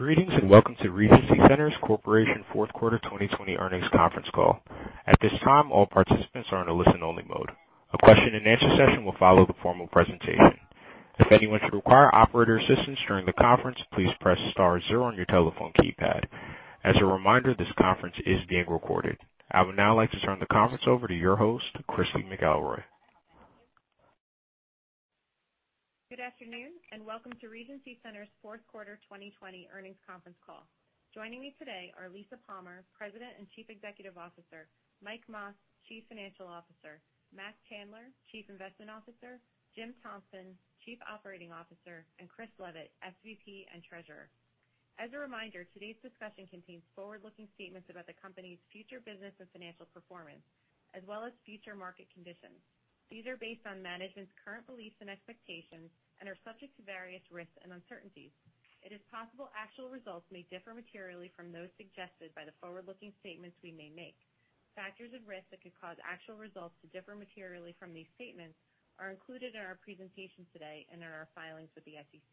I would now like to turn the conference over to your host, Christy McElroy. Good afternoon, welcome to Regency Centers' Fourth Quarter 2020 Earnings Conference Call. Joining me today are Lisa Palmer, President and Chief Executive Officer, Mike Mas, Chief Financial Officer, Mac Chandler, Chief Investment Officer, Jim Thompson, Chief Operating Officer, and Chris Leavitt, SVP and Treasurer. As a reminder, today's discussion contains forward-looking statements about the company's future business and financial performance, as well as future market conditions. These are based on management's current beliefs and expectations and are subject to various risks and uncertainties. It is possible actual results may differ materially from those suggested by the forward-looking statements we may make. Factors of risk that could cause actual results to differ materially from these statements are included in our presentation today and in our filings with the SEC.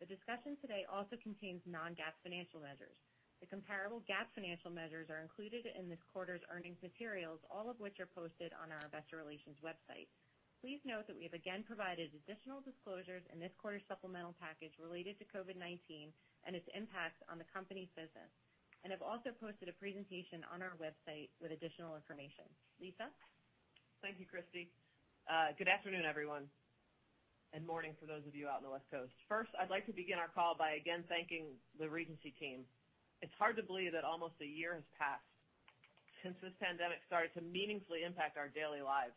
The discussion today also contains non-GAAP financial measures. The comparable GAAP financial measures are included in this quarter's earnings materials, all of which are posted on our investor relations website. Please note that we have again provided additional disclosures in this quarter's supplemental package related to COVID-19 and its impact on the company's business, and have also posted a presentation on our website with additional information. Lisa? Thank you, Christy. Good afternoon, everyone, and morning for those of you out on the West Coast. I'd like to begin our call by, again, thanking the Regency team. It's hard to believe that almost a year has passed since this pandemic started to meaningfully impact our daily lives.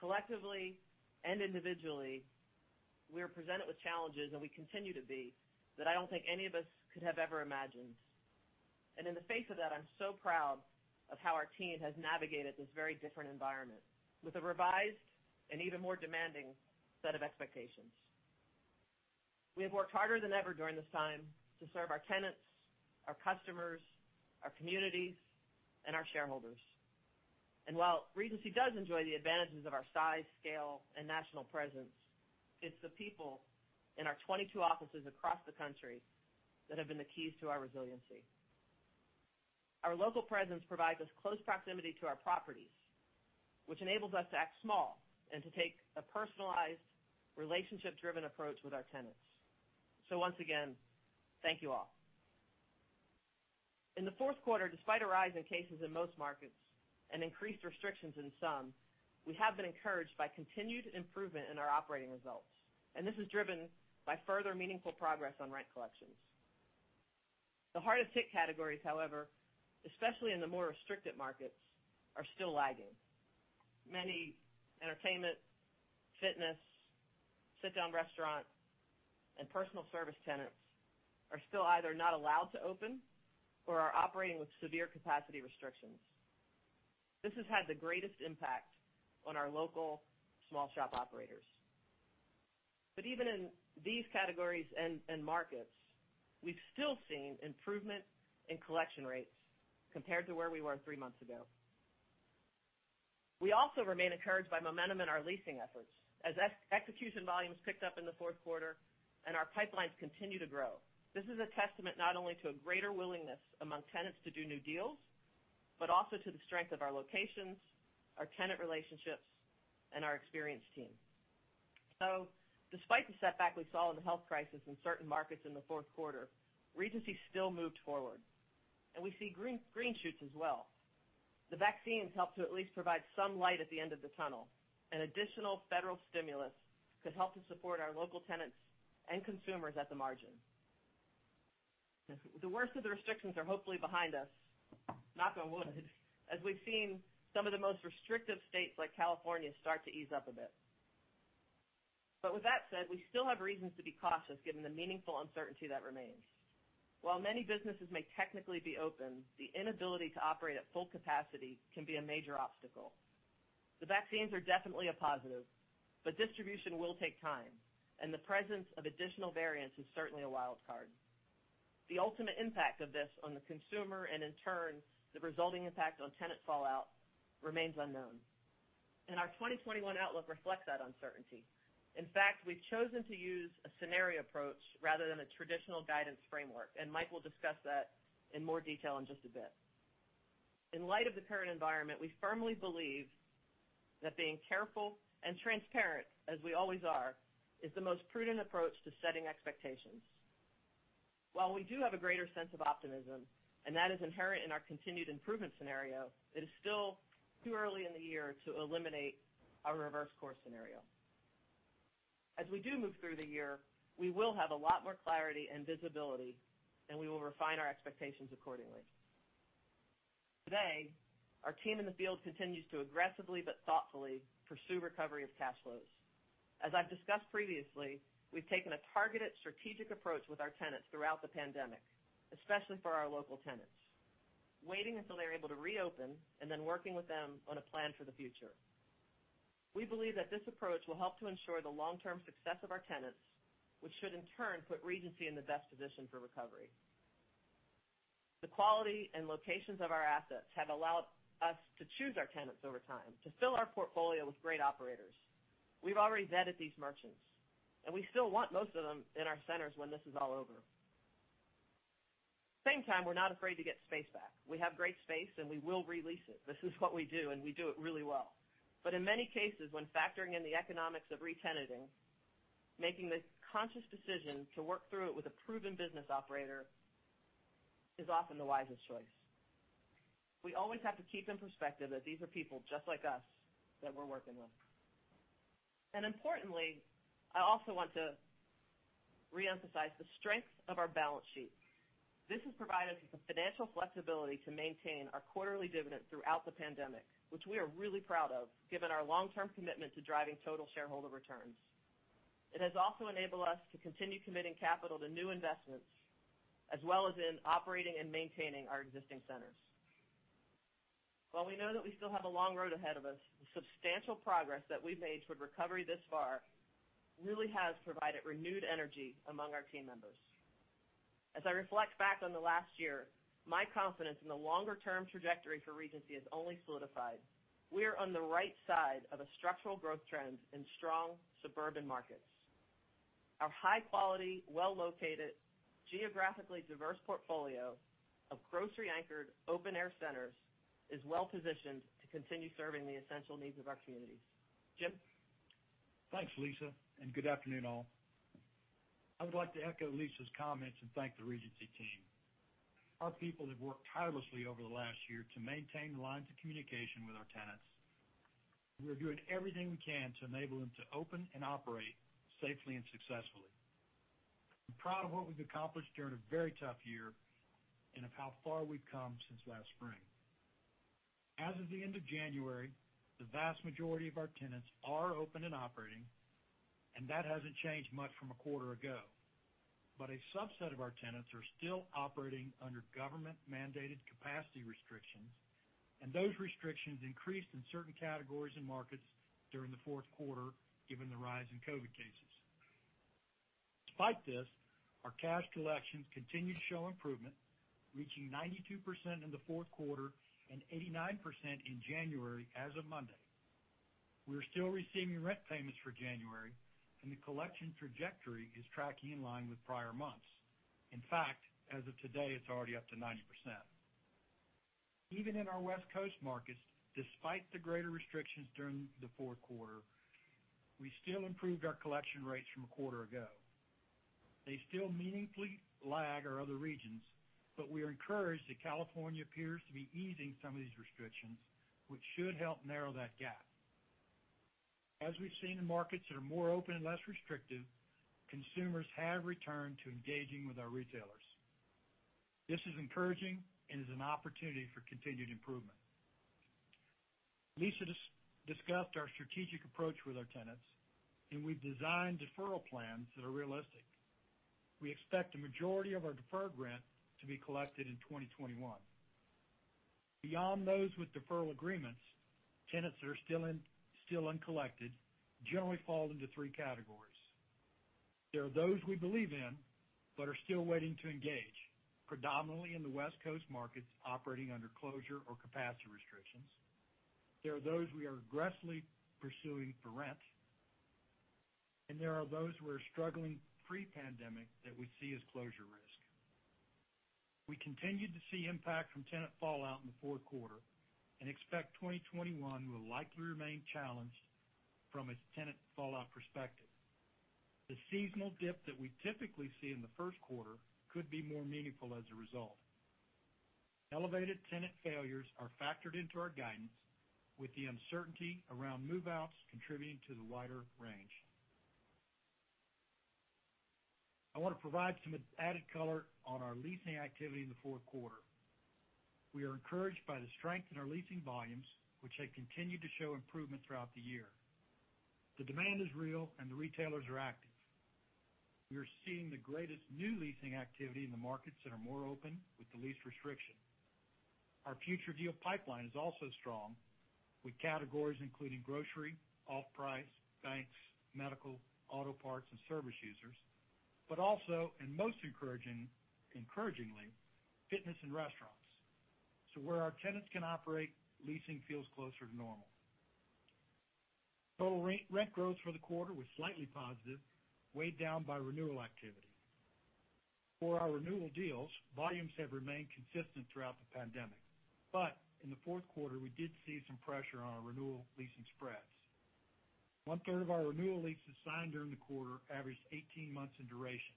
Collectively and individually, we are presented with challenges, and we continue to be, that I don't think any of us could have ever imagined. In the face of that, I'm so proud of how our team has navigated this very different environment with a revised and even more demanding set of expectations. We have worked harder than ever during this time to serve our tenants, our customers, our communities, and our shareholders. While Regency does enjoy the advantages of our size, scale, and national presence, it's the people in our 22 offices across the country that have been the keys to our resiliency. Our local presence provides us close proximity to our properties, which enables us to act small and to take a personalized, relationship-driven approach with our tenants. Once again, thank you all. In the fourth quarter, despite a rise in cases in most markets and increased restrictions in some, we have been encouraged by continued improvement in our operating results, and this is driven by further meaningful progress on rent collections. The hardest hit categories, however, especially in the more restricted markets, are still lagging. Many entertainment, fitness, sit-down restaurant, and personal service tenants are still either not allowed to open or are operating with severe capacity restrictions. This has had the greatest impact on our local small shop operators. Even in these categories and markets, we've still seen improvement in collection rates compared to where we were three months ago. We also remain encouraged by momentum in our leasing efforts as execution volumes picked up in the fourth quarter and our pipelines continue to grow. This is a testament not only to a greater willingness among tenants to do new deals, but also to the strength of our locations, our tenant relationships, and our experienced team. Despite the setback we saw in the health crisis in certain markets in the fourth quarter, Regency still moved forward, and we see green shoots as well. The vaccines help to at least provide some light at the end of the tunnel. An additional federal stimulus could help to support our local tenants and consumers at the margin. The worst of the restrictions are hopefully behind us, knock on wood, as we've seen some of the most restrictive states like California start to ease up a bit. With that said, we still have reasons to be cautious given the meaningful uncertainty that remains. While many businesses may technically be open, the inability to operate at full capacity can be a major obstacle. The vaccines are definitely a positive, but distribution will take time, and the presence of additional variants is certainly a wild card. The ultimate impact of this on the consumer, and in turn, the resulting impact on tenant fallout remains unknown. Our 2021 outlook reflects that uncertainty. In fact, we've chosen to use a scenario approach rather than a traditional guidance framework. Mike will discuss that in more detail in just a bit. In light of the current environment, we firmly believe that being careful and transparent, as we always are, is the most prudent approach to setting expectations. While we do have a greater sense of optimism, and that is inherent in our continued improvement scenario, it is still too early in the year to eliminate our reverse course scenario. As we do move through the year, we will have a lot more clarity and visibility, and we will refine our expectations accordingly. Today, our team in the field continues to aggressively but thoughtfully pursue recovery of cash flows. As I've discussed previously, we've taken a targeted strategic approach with our tenants throughout the pandemic, especially for our local tenants, waiting until they're able to reopen and then working with them on a plan for the future. We believe that this approach will help to ensure the long-term success of our tenants, which should in turn put Regency in the best position for recovery. The quality and locations of our assets have allowed us to choose our tenants over time to fill our portfolio with great operators. We've already vetted these merchants, and we still want most of them in our centers when this is all over. Same time, we're not afraid to get space back. We have great space, and we will re-lease it. This is what we do, and we do it really well. In many cases, when factoring in the economics of re-tenanting, making the conscious decision to work through it with a proven business operator is often the wisest choice. We always have to keep in perspective that these are people just like us that we're working with. Importantly, I also want to reemphasize the strength of our balance sheet. This has provided us with the financial flexibility to maintain our quarterly dividend throughout the pandemic, which we are really proud of, given our long-term commitment to driving total shareholder returns. It has also enabled us to continue committing capital to new investments as well as in operating and maintaining our existing centers. While we know that we still have a long road ahead of us, the substantial progress that we've made toward recovery this far really has provided renewed energy among our team members. As I reflect back on the last year, my confidence in the longer-term trajectory for Regency has only solidified. We are on the right side of a structural growth trend in strong suburban markets. Our high-quality, well-located, geographically diverse portfolio of grocery-anchored, open-air centers is well-positioned to continue serving the essential needs of our communities. Jim? Thanks, Lisa. Good afternoon, all. I would like to echo Lisa's comments and thank the Regency team. Our people have worked tirelessly over the last year to maintain lines of communication with our tenants. We are doing everything we can to enable them to open and operate safely and successfully. I'm proud of what we've accomplished during a very tough year and of how far we've come since last spring. As of the end of January, the vast majority of our tenants are open and operating, and that hasn't changed much from a quarter ago. A subset of our tenants are still operating under government-mandated capacity restrictions, and those restrictions increased in certain categories and markets during the fourth quarter, given the rise in COVID-19 cases. Despite this, our cash collections continued to show improvement, reaching 92% in the fourth quarter and 89% in January as of Monday. We are still receiving rent payments for January, and the collection trajectory is tracking in line with prior months. In fact, as of today, it's already up to 90%. Even in our West Coast markets, despite the greater restrictions during the fourth quarter, we still improved our collection rates from a quarter ago. They still meaningfully lag our other regions, but we are encouraged that California appears to be easing some of these restrictions, which should help narrow that gap. As we've seen in markets that are more open and less restrictive, consumers have returned to engaging with our retailers. This is encouraging and is an opportunity for continued improvement. Lisa discussed our strategic approach with our tenants, and we've designed deferral plans that are realistic. We expect the majority of our deferred rent to be collected in 2021. Beyond those with deferral agreements, tenants that are still uncollected generally fall into three categories. There are those we believe in but are still waiting to engage, predominantly in the West Coast markets operating under closure or capacity restrictions. There are those we are aggressively pursuing for rent, and there are those who are struggling pre-pandemic that we see as closure risk. We continued to see impact from tenant fallout in the fourth quarter and expect 2021 will likely remain challenged from a tenant fallout perspective. The seasonal dip that we typically see in the first quarter could be more meaningful as a result. Elevated tenant failures are factored into our guidance, with the uncertainty around move-outs contributing to the wider range. I want to provide some added color on our leasing activity in the fourth quarter. We are encouraged by the strength in our leasing volumes, which have continued to show improvement throughout the year. The demand is real, and the retailers are active. We are seeing the greatest new leasing activity in the markets that are more open with the least restriction. Our future deal pipeline is also strong, with categories including grocery, off-price, banks, medical, auto parts, and service users, but also, and most encouragingly, fitness and restaurants. Where our tenants can operate, leasing feels closer to normal. Total rent growth for the quarter was slightly positive, weighed down by renewal activity. For our renewal deals, volumes have remained consistent throughout the pandemic. In the fourth quarter, we did see some pressure on our renewal leasing spreads. One-third of our renewal leases signed during the quarter averaged 18 months in duration,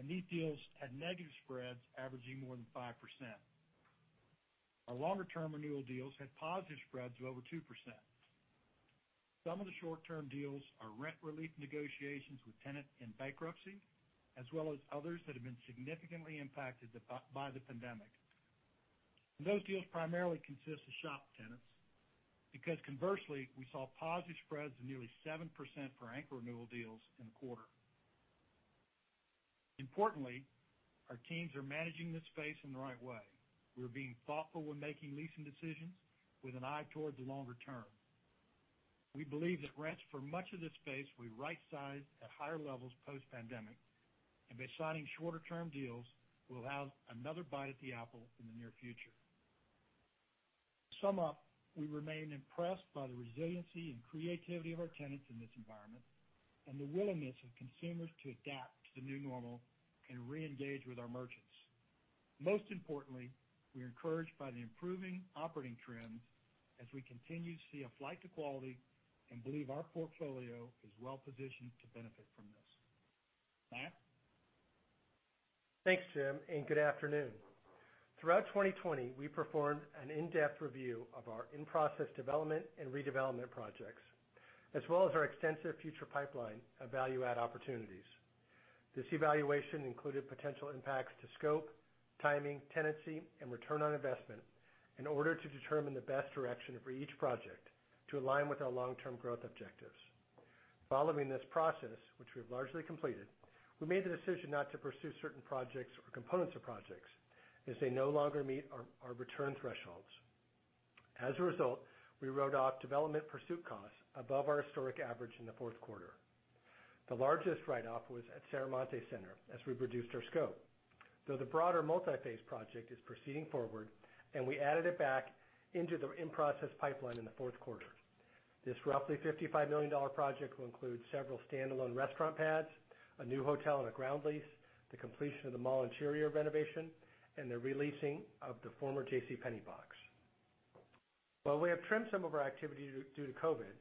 and these deals had negative spreads averaging more than 5%. Our longer-term renewal deals had positive spreads of over 2%. Some of the short-term deals are rent relief negotiations with tenants in bankruptcy, as well as others that have been significantly impacted by the pandemic. Those deals primarily consist of shop tenants because conversely, we saw positive spreads of nearly 7% for anchor renewal deals in the quarter. Importantly, our teams are managing this space in the right way. We're being thoughtful when making leasing decisions with an eye toward the longer term. We believe that rents for much of this space will right-size at higher levels post-pandemic, and by signing shorter-term deals, we'll have another bite at the apple in the near future. To sum up, we remain impressed by the resiliency and creativity of our tenants in this environment and the willingness of consumers to adapt to the new normal and re-engage with our merchants. Most importantly, we're encouraged by the improving operating trends as we continue to see a flight to quality and believe our portfolio is well-positioned to benefit from this. Mac? Thanks, Jim, and good afternoon. Throughout 2020, we performed an in-depth review of our in-process development and redevelopment projects, as well as our extensive future pipeline of value-add opportunities. This evaluation included potential impacts to scope, timing, tenancy, and return on investment in order to determine the best direction for each project to align with our long-term growth objectives. Following this process, which we have largely completed, we made the decision not to pursue certain projects or components of projects as they no longer meet our return thresholds. As a result, we wrote off development pursuit costs above our historic average in the fourth quarter. The largest write-off was at Serramonte Center, as we reduced our scope, though the broader multi-phase project is proceeding forward, and we added it back into the in-process pipeline in the fourth quarter. This roughly $55 million project will include several standalone restaurant pads, a new hotel, and a ground lease, the completion of the mall interior renovation, and the re-leasing of the former JCPenney box. While we have trimmed some of our activity due to COVID,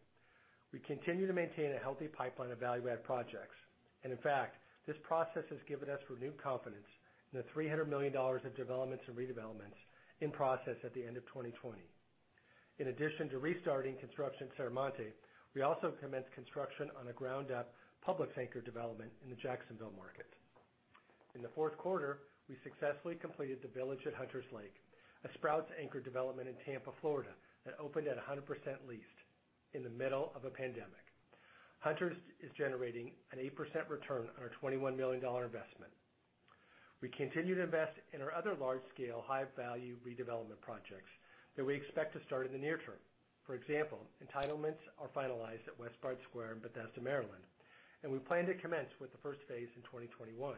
we continue to maintain a healthy pipeline of value-add projects. In fact, this process has given us renewed confidence in the $300 million of developments and redevelopments in process at the end of 2020. In addition to restarting construction at Serramonte, we also commenced construction on a ground-up Publix anchor development in the Jacksonville market. In the fourth quarter, we successfully completed The Village at Hunter's Lake, a Sprouts anchor development in Tampa, Florida, that opened at 100% leased in the middle of a pandemic. Hunter's is generating an 8% return on our $21 million investment. We continue to invest in our other large-scale, high-value redevelopment projects that we expect to start in the near term. For example, entitlements are finalized at Westbard Square in Bethesda, Maryland, and we plan to commence with the phase 1 in 2021.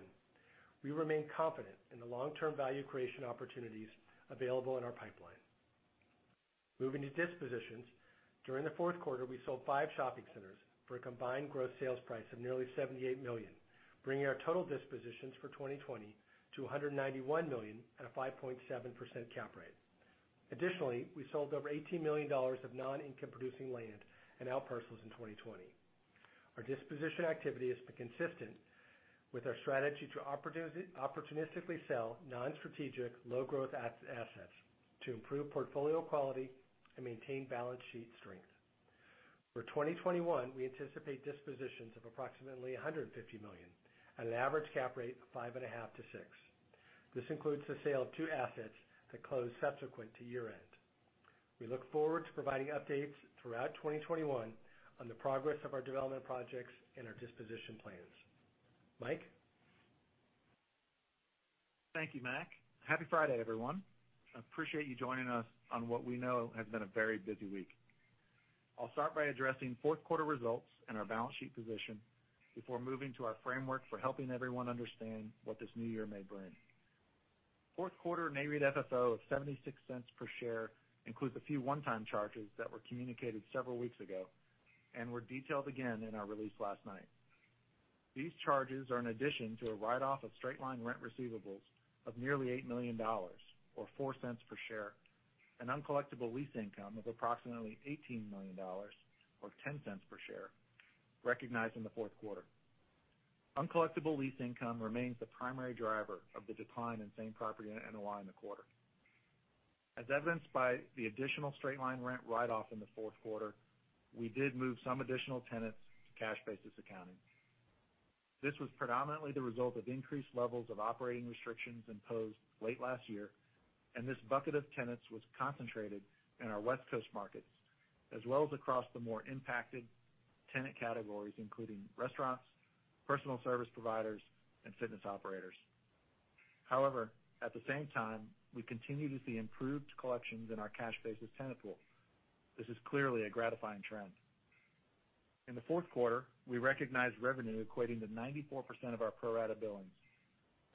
We remain confident in the long-term value creation opportunities available in our pipeline. Moving to dispositions, during the fourth quarter, we sold five shopping centers for a combined gross sales price of nearly $78 million, bringing our total dispositions for 2020 to $191 million at a 5.7% cap rate. Additionally, we sold over $18 million of non-income producing land and outparcels in 2020. Our disposition activity has been consistent with our strategy to opportunistically sell non-strategic, low-growth assets to improve portfolio quality and maintain balance sheet strength. For 2021, we anticipate dispositions of approximately $150 million at an average cap rate of 5.5%-6%. This includes the sale of two assets that closed subsequent to year-end. We look forward to providing updates throughout 2021 on the progress of our development projects and our disposition plans. Mike? Thank you, Mac. Happy Friday, everyone. I appreciate you joining us on what we know has been a very busy week. I'll start by addressing fourth quarter results and our balance sheet position before moving to our framework for helping everyone understand what this new year may bring. Fourth quarter Nareit FFO of $0.76 per share includes a few one-time charges that were communicated several weeks ago and were detailed again in our release last night. These charges are in addition to a write-off of straight-line rent receivables of nearly $8 million, or $0.04 per share, and uncollectible lease income of approximately $18 million, or $0.10 per share, recognized in the fourth quarter. Uncollectible lease income remains the primary driver of the decline in same property NOI in the quarter. As evidenced by the additional straight-line rent write-off in the fourth quarter, we did move some additional tenants to cash basis accounting. This was predominantly the result of increased levels of operating restrictions imposed late last year, this bucket of tenants was concentrated in our West Coast markets, as well as across the more impacted tenant categories, including restaurants, personal service providers, and fitness operators. However, at the same time, we continue to see improved collections in our cash basis tenant pool. This is clearly a gratifying trend. In the fourth quarter, we recognized revenue equating to 94% of our pro-rata billings.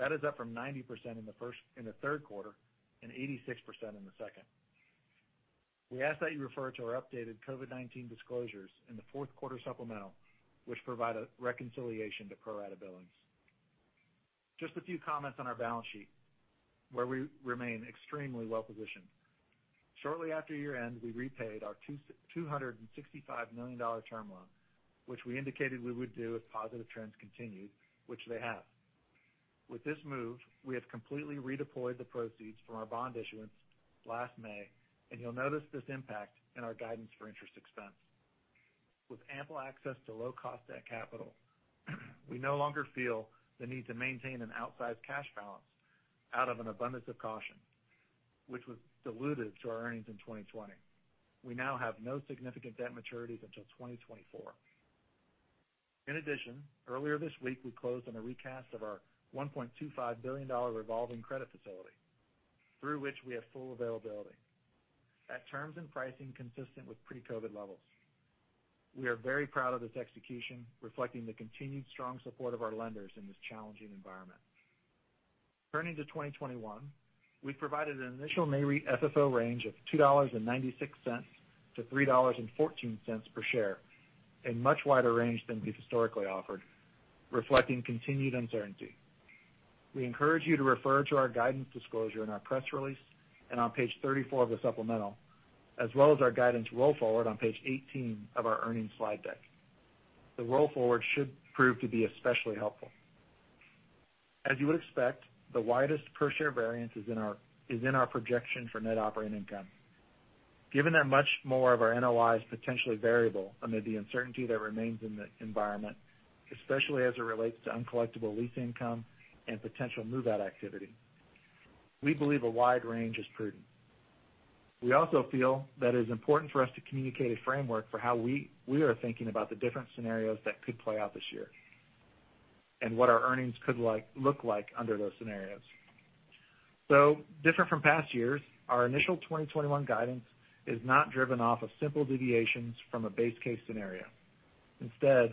That is up from 90% in the third quarter and 86% in the second. We ask that you refer to our updated COVID-19 disclosures in the fourth quarter supplemental, which provide a reconciliation to pro rata billings. Just a few comments on our balance sheet, where we remain extremely well-positioned. Shortly after year-end, we repaid our $265 million term loan, which we indicated we would do if positive trends continued, which they have. With this move, we have completely redeployed the proceeds from our bond issuance last May, and you'll notice this impact in our guidance for interest expense. With ample access to low-cost debt capital, we no longer feel the need to maintain an outsized cash balance out of an abundance of caution, which was dilutive to our earnings in 2020. We now have no significant debt maturities until 2024. In addition, earlier this week, we closed on a recast of our $1.25 billion revolving credit facility, through which we have full availability at terms and pricing consistent with pre-COVID-19 levels. We are very proud of this execution, reflecting the continued strong support of our lenders in this challenging environment. Turning to 2021, we've provided an initial Nareit FFO range of $2.96-$3.14 per share, a much wider range than we've historically offered, reflecting continued uncertainty. We encourage you to refer to our guidance disclosure in our press release and on page 34 of the supplemental, as well as our guidance roll forward on page 18 of our earnings slide deck. The roll forward should prove to be especially helpful. As you would expect, the widest per share variance is in our projection for net operating income. Given that much more of our NOI is potentially variable amid the uncertainty that remains in the environment, especially as it relates to uncollectible lease income and potential move-out activity, we believe a wide range is prudent. We also feel that it is important for us to communicate a framework for how we are thinking about the different scenarios that could play out this year and what our earnings could look like under those scenarios. Different from past years, our initial 2021 guidance is not driven off of simple deviations from a base case scenario. Instead,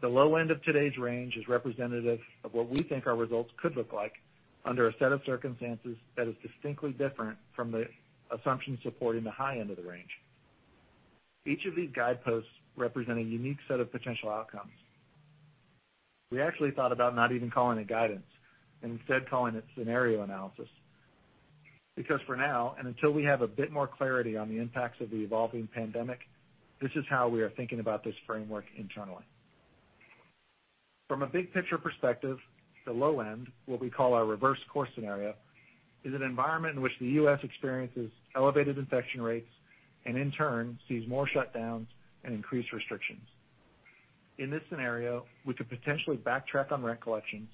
the low end of today's range is representative of what we think our results could look like under a set of circumstances that is distinctly different from the assumptions supporting the high end of the range. Each of these guideposts represent a unique set of potential outcomes. We actually thought about not even calling it guidance and instead calling it scenario analysis, because for now, and until we have a bit more clarity on the impacts of the evolving pandemic, this is how we are thinking about this framework internally. From a big picture perspective, the low end, what we call our reverse course scenario, is an environment in which the U.S. experiences elevated infection rates, and in turn sees more shutdowns and increased restrictions. In this scenario, we could potentially backtrack on rent collections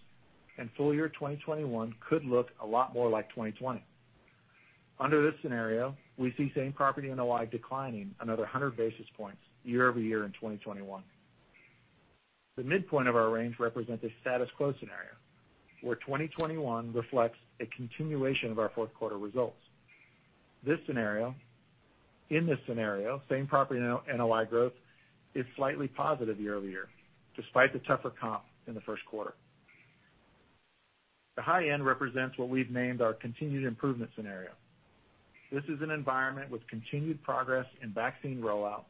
and full-year 2021 could look a lot more like 2020. Under this scenario, we see same property NOI declining another 100 basis points year-over-year in 2021. The midpoint of our range represents a status quo scenario where 2021 reflects a continuation of our fourth quarter results. In this scenario, same property NOI growth is slightly positive year-over-year, despite the tougher comp in the first quarter. The high end represents what we've named our continued improvement scenario. This is an environment with continued progress in vaccine rollout,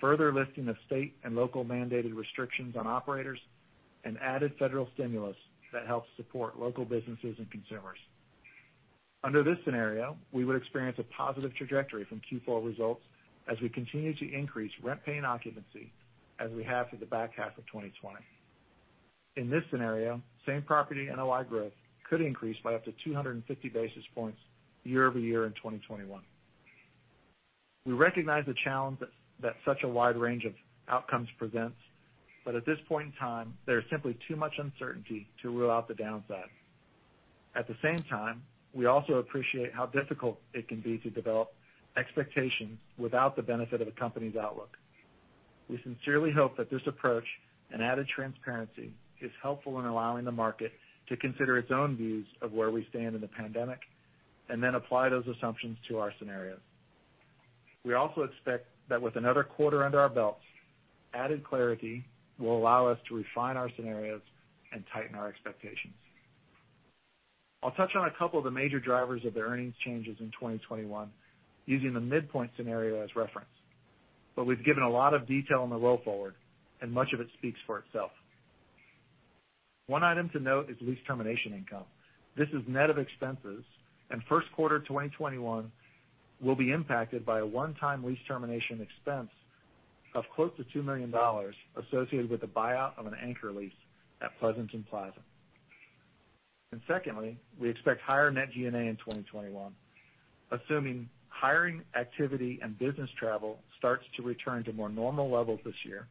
further lifting of state and local mandated restrictions on operators, and added federal stimulus that helps support local businesses and consumers. Under this scenario, we would experience a positive trajectory from Q4 results as we continue to increase rent paying occupancy as we have for the back half of 2020. In this scenario, same property NOI growth could increase by up to 250 basis points year-over-year in 2021. We recognize the challenge that such a wide range of outcomes presents, at this point in time, there is simply too much uncertainty to rule out the downside. At the same time, we also appreciate how difficult it can be to develop expectations without the benefit of a company's outlook. We sincerely hope that this approach and added transparency is helpful in allowing the market to consider its own views of where we stand in the pandemic, and then apply those assumptions to our scenarios. We also expect that with another quarter under our belts, added clarity will allow us to refine our scenarios and tighten our expectations. I'll touch on a couple of the major drivers of the earnings changes in 2021 using the midpoint scenario as reference. We've given a lot of detail on the roll forward, and much of it speaks for itself. One item to note is lease termination income. This is net of expenses, and first quarter 2021 will be impacted by a one-time lease termination expense of close to $2 million associated with the buyout of an anchor lease at Pleasanton Plaza. Secondly, we expect higher net G&A in 2021, assuming hiring activity and business travel starts to return to more normal levels this year.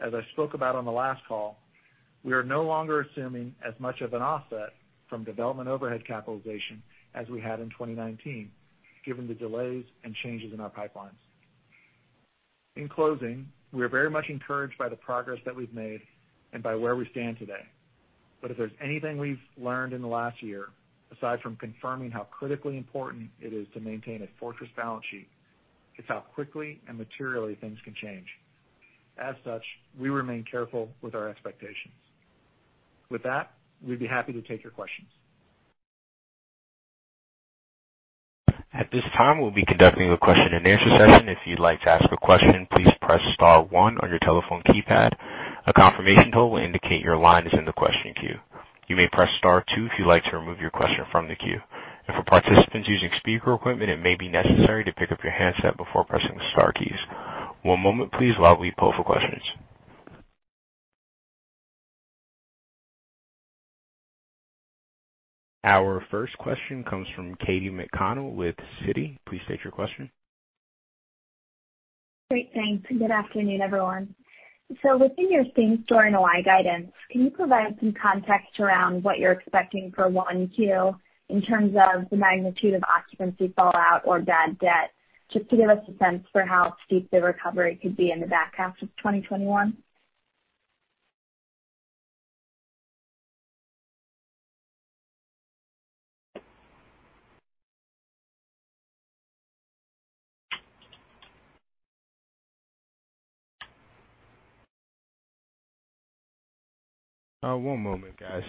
As I spoke about on the last call, we are no longer assuming as much of an offset from development overhead capitalization as we had in 2019, given the delays and changes in our pipelines. In closing, we are very much encouraged by the progress that we've made and by where we stand today. If there's anything we've learned in the last year, aside from confirming how critically important it is to maintain a fortress balance sheet, it's how quickly and materially things can change. As such, we remain careful with our expectations. With that, we'd be happy to take your questions. Our first question comes from Katy McConnell with Citi. Please state your question. Great. Thanks, good afternoon, everyone. Within your same store NOI guidance, can you provide some context around what you're expecting for 1-Q in terms of the magnitude of occupancy fallout or bad debt, just to give us a sense for how steep the recovery could be in the back half of 2021? One moment, guys.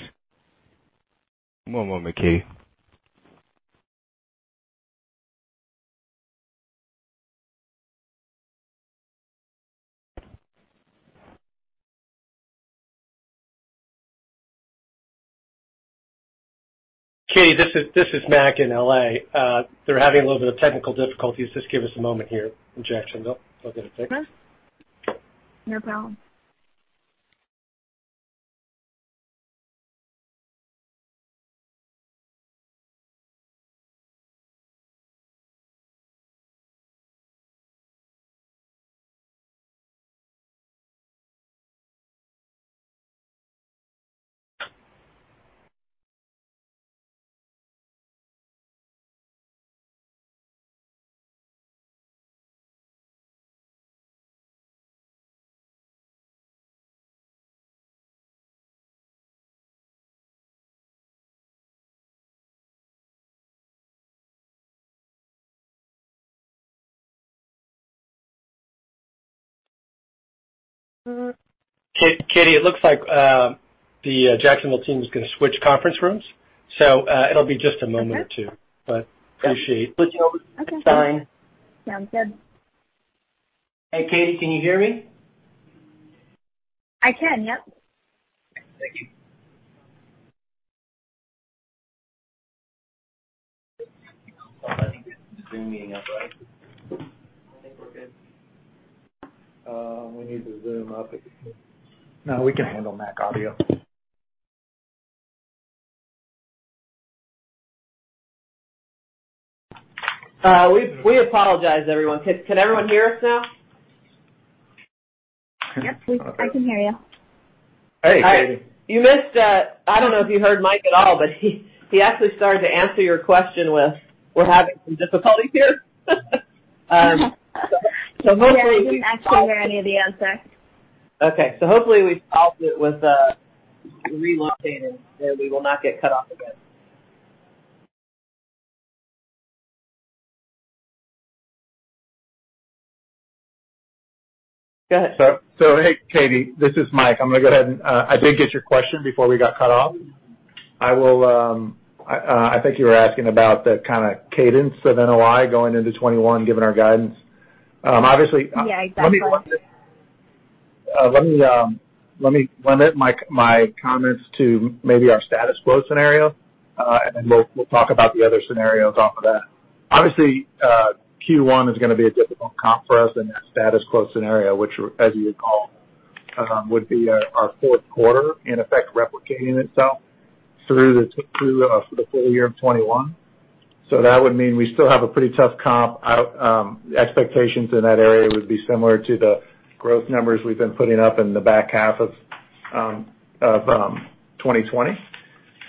One moment, Christy. Christy, this is Mac in L.A. They're having a little bit of technical difficulties. Just give us a moment here in Jacksonville so they get it fixed. Okay. No problem. Christy, it looks like the Jacksonville team is going to switch conference rooms, so it'll be just a moment or two. Okay. I appreciate. Switching over to Stein. Sounds good. Hey, Christy, can you hear me? I can, yep. Thank you. I think it's Zooming up, right? I think we're good. We need to zoom up if we can. No, we can handle Mac Audio. We apologize, everyone. Can everyone hear us now? Yep, we can hear you. Hey, Christy. You missed I don't know if you heard Mike at all, but he actually started to answer your question with, "We're having some difficulties here. Yeah, we didn't actually hear any of the answer. Okay. Hopefully we've solved it with relocating, and we will not get cut off again. Go ahead. Hey, Christy. This is Mike. I'm going to go ahead, and I did get your question before we got cut off. I think you were asking about the kind of cadence of NOI going into 2021, given our guidance. Yeah, exactly. Let me limit my comments to maybe our status quo scenario. Then we'll talk about the other scenarios off of that. Obviously, Q1 is going to be a difficult comp for us in that status quo scenario, which, as you would call, would be our fourth quarter in effect replicating itself through the full-year of 2021. That would mean we still have a pretty tough comp. Expectations in that area would be similar to the growth numbers we've been putting up in the back half of 2020.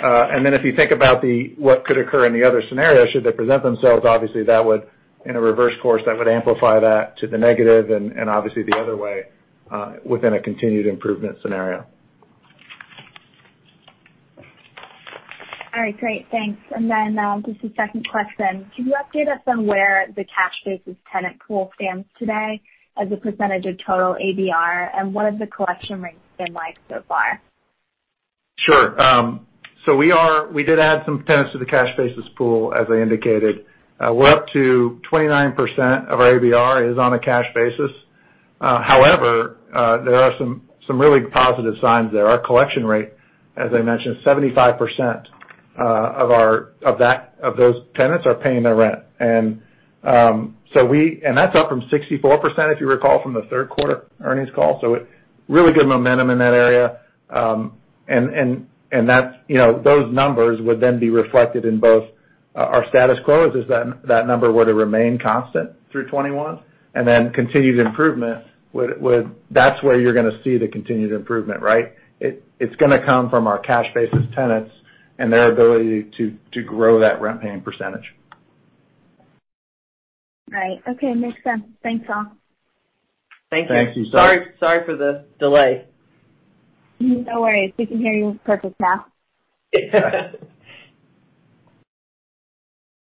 Then if you think about what could occur in the other scenarios, should they present themselves, obviously, that would, in a reverse course, that would amplify that to the negative and obviously the other way, within a continued improvement scenario. All right. Great. Thanks. Just a second question. Could you update us on where the cash basis tenant pool stands today as a percentage of total ABR, and what have the collection rates been like so far? Sure. We did add some tenants to the cash basis pool, as I indicated. We're up to 29% of our ABR is on a cash basis. However, there are some really positive signs there. Our collection rate, as I mentioned, 75% of those tenants are paying their rent. That's up from 64%, if you recall, from the third quarter earnings call. Really good momentum in that area. Those numbers would then be reflected in both our status quo, as that number were to remain constant through 2021, and then continued improvement, that's where you're going to see the continued improvement, right? It's going to come from our cash basis tenants and their ability to grow that rent-paying percentage. Right. Okay. Makes sense. Thanks, all. Thank you. Thank you. Sorry for the delay. No worries. We can hear you perfectly now.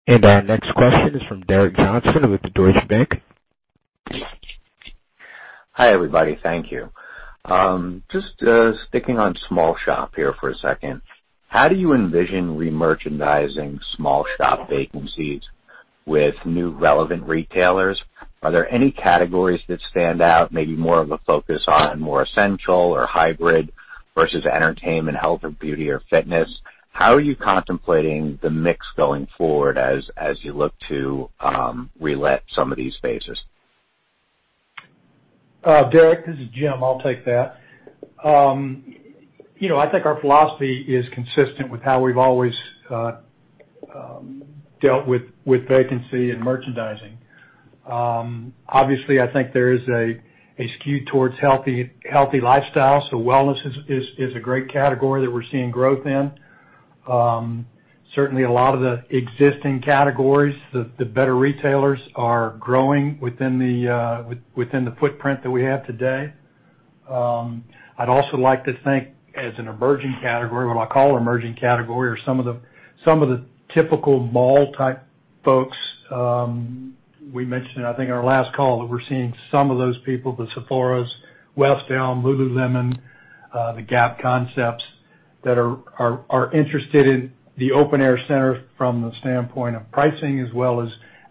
Our next question is from Derek Johnston with Deutsche Bank. Hi, everybody. Thank you. Just sticking on small shop here for a second. How do you envision remerchandising small shop vacancies with new relevant retailers? Are there any categories that stand out, maybe more of a focus on more essential or hybrid versus entertainment, health or beauty or fitness? How are you contemplating the mix going forward as you look to relet some of these spaces? Derek, this is Jim. I'll take that. I think our philosophy is consistent with how we've always dealt with vacancy and merchandising. Obviously, I think there is a skew towards healthy lifestyle, so wellness is a great category that we're seeing growth in. Certainly, a lot of the existing categories, the better retailers are growing within the footprint that we have today. I'd also like to think as an emerging category, what I call emerging category, are some of the typical mall type folks. We mentioned, I think in our last call, that we're seeing some of those people, the Sephoras, Ulta Beauty, lululemon, the Gap concepts, that are interested in the open air center from the standpoint of pricing as well as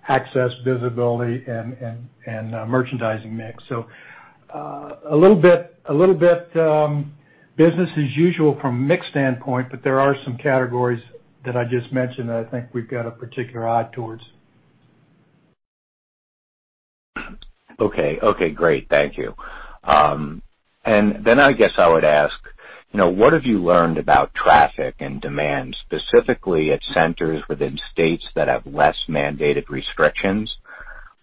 access, visibility, and merchandising mix. A little bit business as usual from a mix standpoint, but there are some categories that I just mentioned that I think we've got a particular eye towards. Okay, great. Thank you. I guess I would ask, what have you learned about traffic and demand, specifically at centers within states that have less mandated restrictions?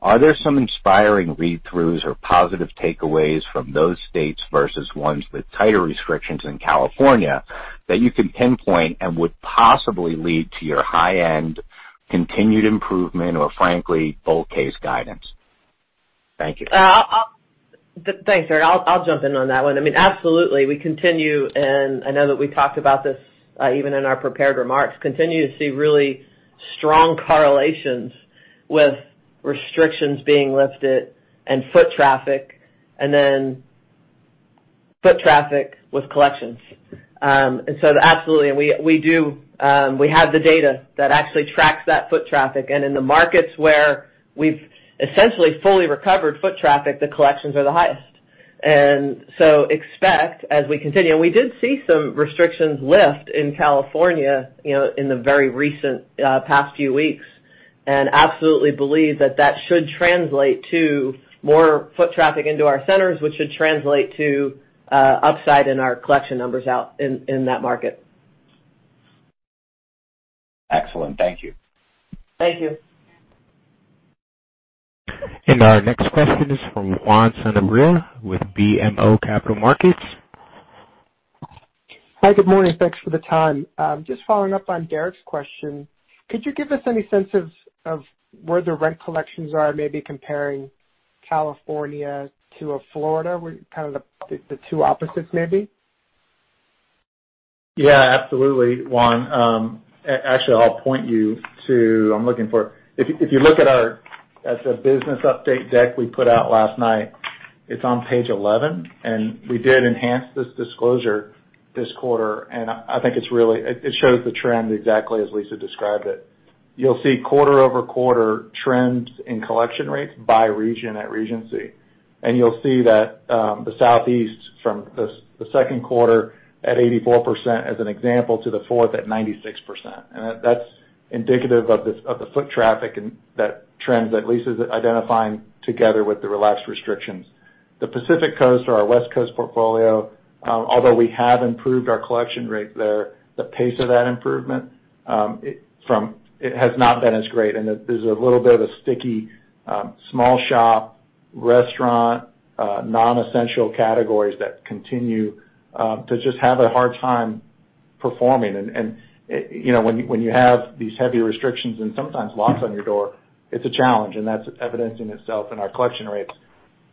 Are there some inspiring read-throughs or positive takeaways from those states versus ones with tighter restrictions in California that you can pinpoint and would possibly lead to your high-end continued improvement, or frankly, bold case guidance? Thank you. Thanks, Derek. I'll jump in on that one. Absolutely, we continue, and I know that we talked about this even in our prepared remarks, continue to see really strong correlations with restrictions being lifted and foot traffic, and then foot traffic with collections. Absolutely, we have the data that actually tracks that foot traffic. In the markets where we've essentially fully recovered foot traffic, the collections are the highest. Expect as we continue, we did see some restrictions lift in California in the very recent past few weeks, and absolutely believe that that should translate to more foot traffic into our centers, which should translate to upside in our collection numbers out in that market. Excellent. Thank you. Thank you. Our next question is from Juan Sanabria with BMO Capital Markets. Hi, good morning. Thanks for the time. Following up on Derek's question, could you give us any sense of where the rent collections are, maybe comparing California to a Florida, kind of the two opposites, maybe? Yeah, absolutely, Juan. Actually, I'll point you to I'm looking for it. If you look at the business update deck we put out last night, it's on page 11. We did enhance this disclosure this quarter, and I think it shows the trend exactly as Lisa described it. You'll see quarter-over-quarter trends in collection rates by region at Regency. You'll see that the Southeast from the second quarter at 84%, as an example, to the fourth at 96%. That's indicative of the foot traffic and that trends that Lisa's identifying together with the relaxed restrictions. The Pacific Coast or our West Coast portfolio, although we have improved our collection rate there, the pace of that improvement has not been as great, and there's a little bit of a sticky small shop, restaurant, non-essential categories that continue to just have a hard time performing. When you have these heavy restrictions and sometimes locks on your door, it's a challenge, and that's evidencing itself in our collection rates.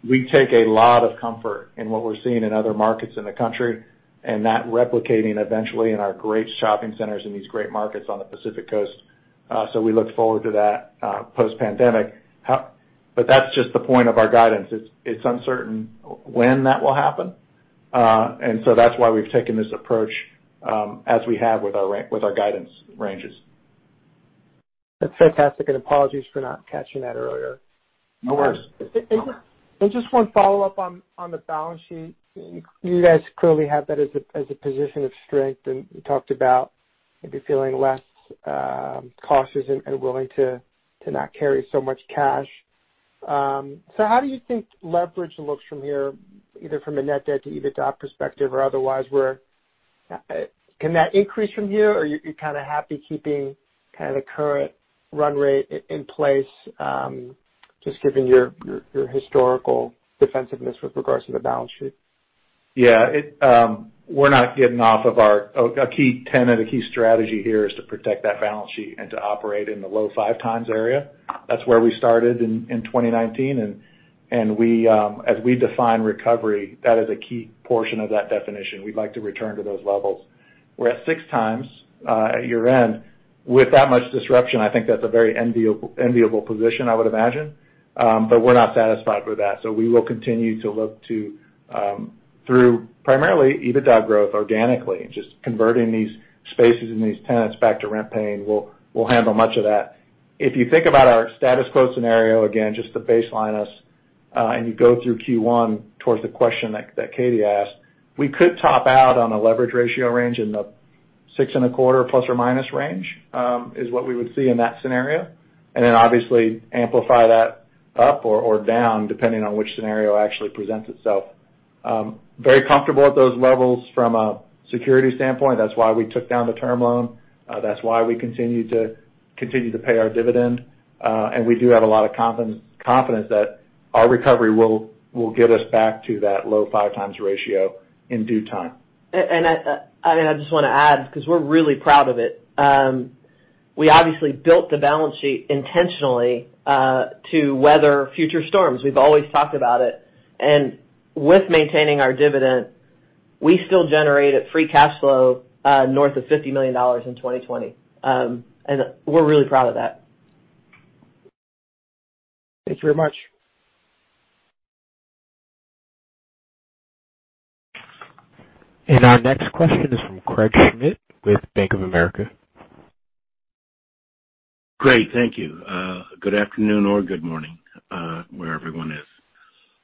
We take a lot of comfort in what we're seeing in other markets in the country, and that replicating eventually in our great shopping centers in these great markets on the Pacific Coast. We look forward to that post pandemic. That's just the point of our guidance. It's uncertain when that will happen. That's why we've taken this approach, as we have with our guidance ranges. That's fantastic, and apologies for not catching that earlier. No worries. Just one follow-up on the balance sheet. You guys clearly have that as a position of strength, and you talked about maybe feeling less cautious and willing to not carry so much cash. How do you think leverage looks from here, either from a net debt to EBITDA perspective or otherwise? Can that increase from here, or you're kind of happy keeping kind of the current run rate in place, just given your historical defensiveness with regards to the balance sheet? A key tenet, a key strategy here is to protect that balance sheet and to operate in the low five times area. That's where we started in 2019, and as we define recovery, that is a key portion of that definition. We'd like to return to those levels. We're at six times at year-end. With that much disruption, I think that's a very enviable position, I would imagine. We're not satisfied with that. We will continue to look through primarily EBITDA growth organically, just converting these spaces and these tenants back to rent paying, we'll handle much of that. If you think about our status quo scenario, again, just to baseline us, you go through Q1 towards the question that Christy asked, we could top out on a leverage ratio range in the 6.25 ± range, is what we would see in that scenario. Then obviously amplify that up or down depending on which scenario actually presents itself. Very comfortable at those levels from a security standpoint. That's why we took down the term loan. That's why we continue to pay our dividend. We do have a lot of confidence that our recovery will get us back to that low 5x ratio in due time. I just want to add, because we're really proud of it. We obviously built the balance sheet intentionally to weather future storms. We've always talked about it. With maintaining our dividend, we still generated free cash flow north of $50 million in 2020. We're really proud of that. Thank you very much. Our next question is from Craig Schmidt with Bank of America. Great. Thank you. Good afternoon or good morning, where everyone is.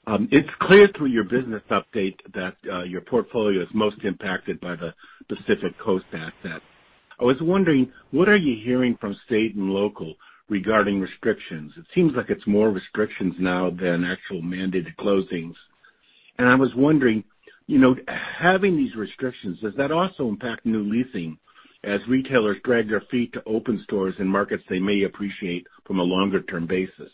It's clear through your business update that your portfolio is most impacted by the Pacific Coast assets. I was wondering, what are you hearing from state and local regarding restrictions? It seems like it's more restrictions now than actual mandated closings. I was wondering, having these restrictions, does that also impact new leasing as retailers drag their feet to open stores in markets they may appreciate from a longer-term basis?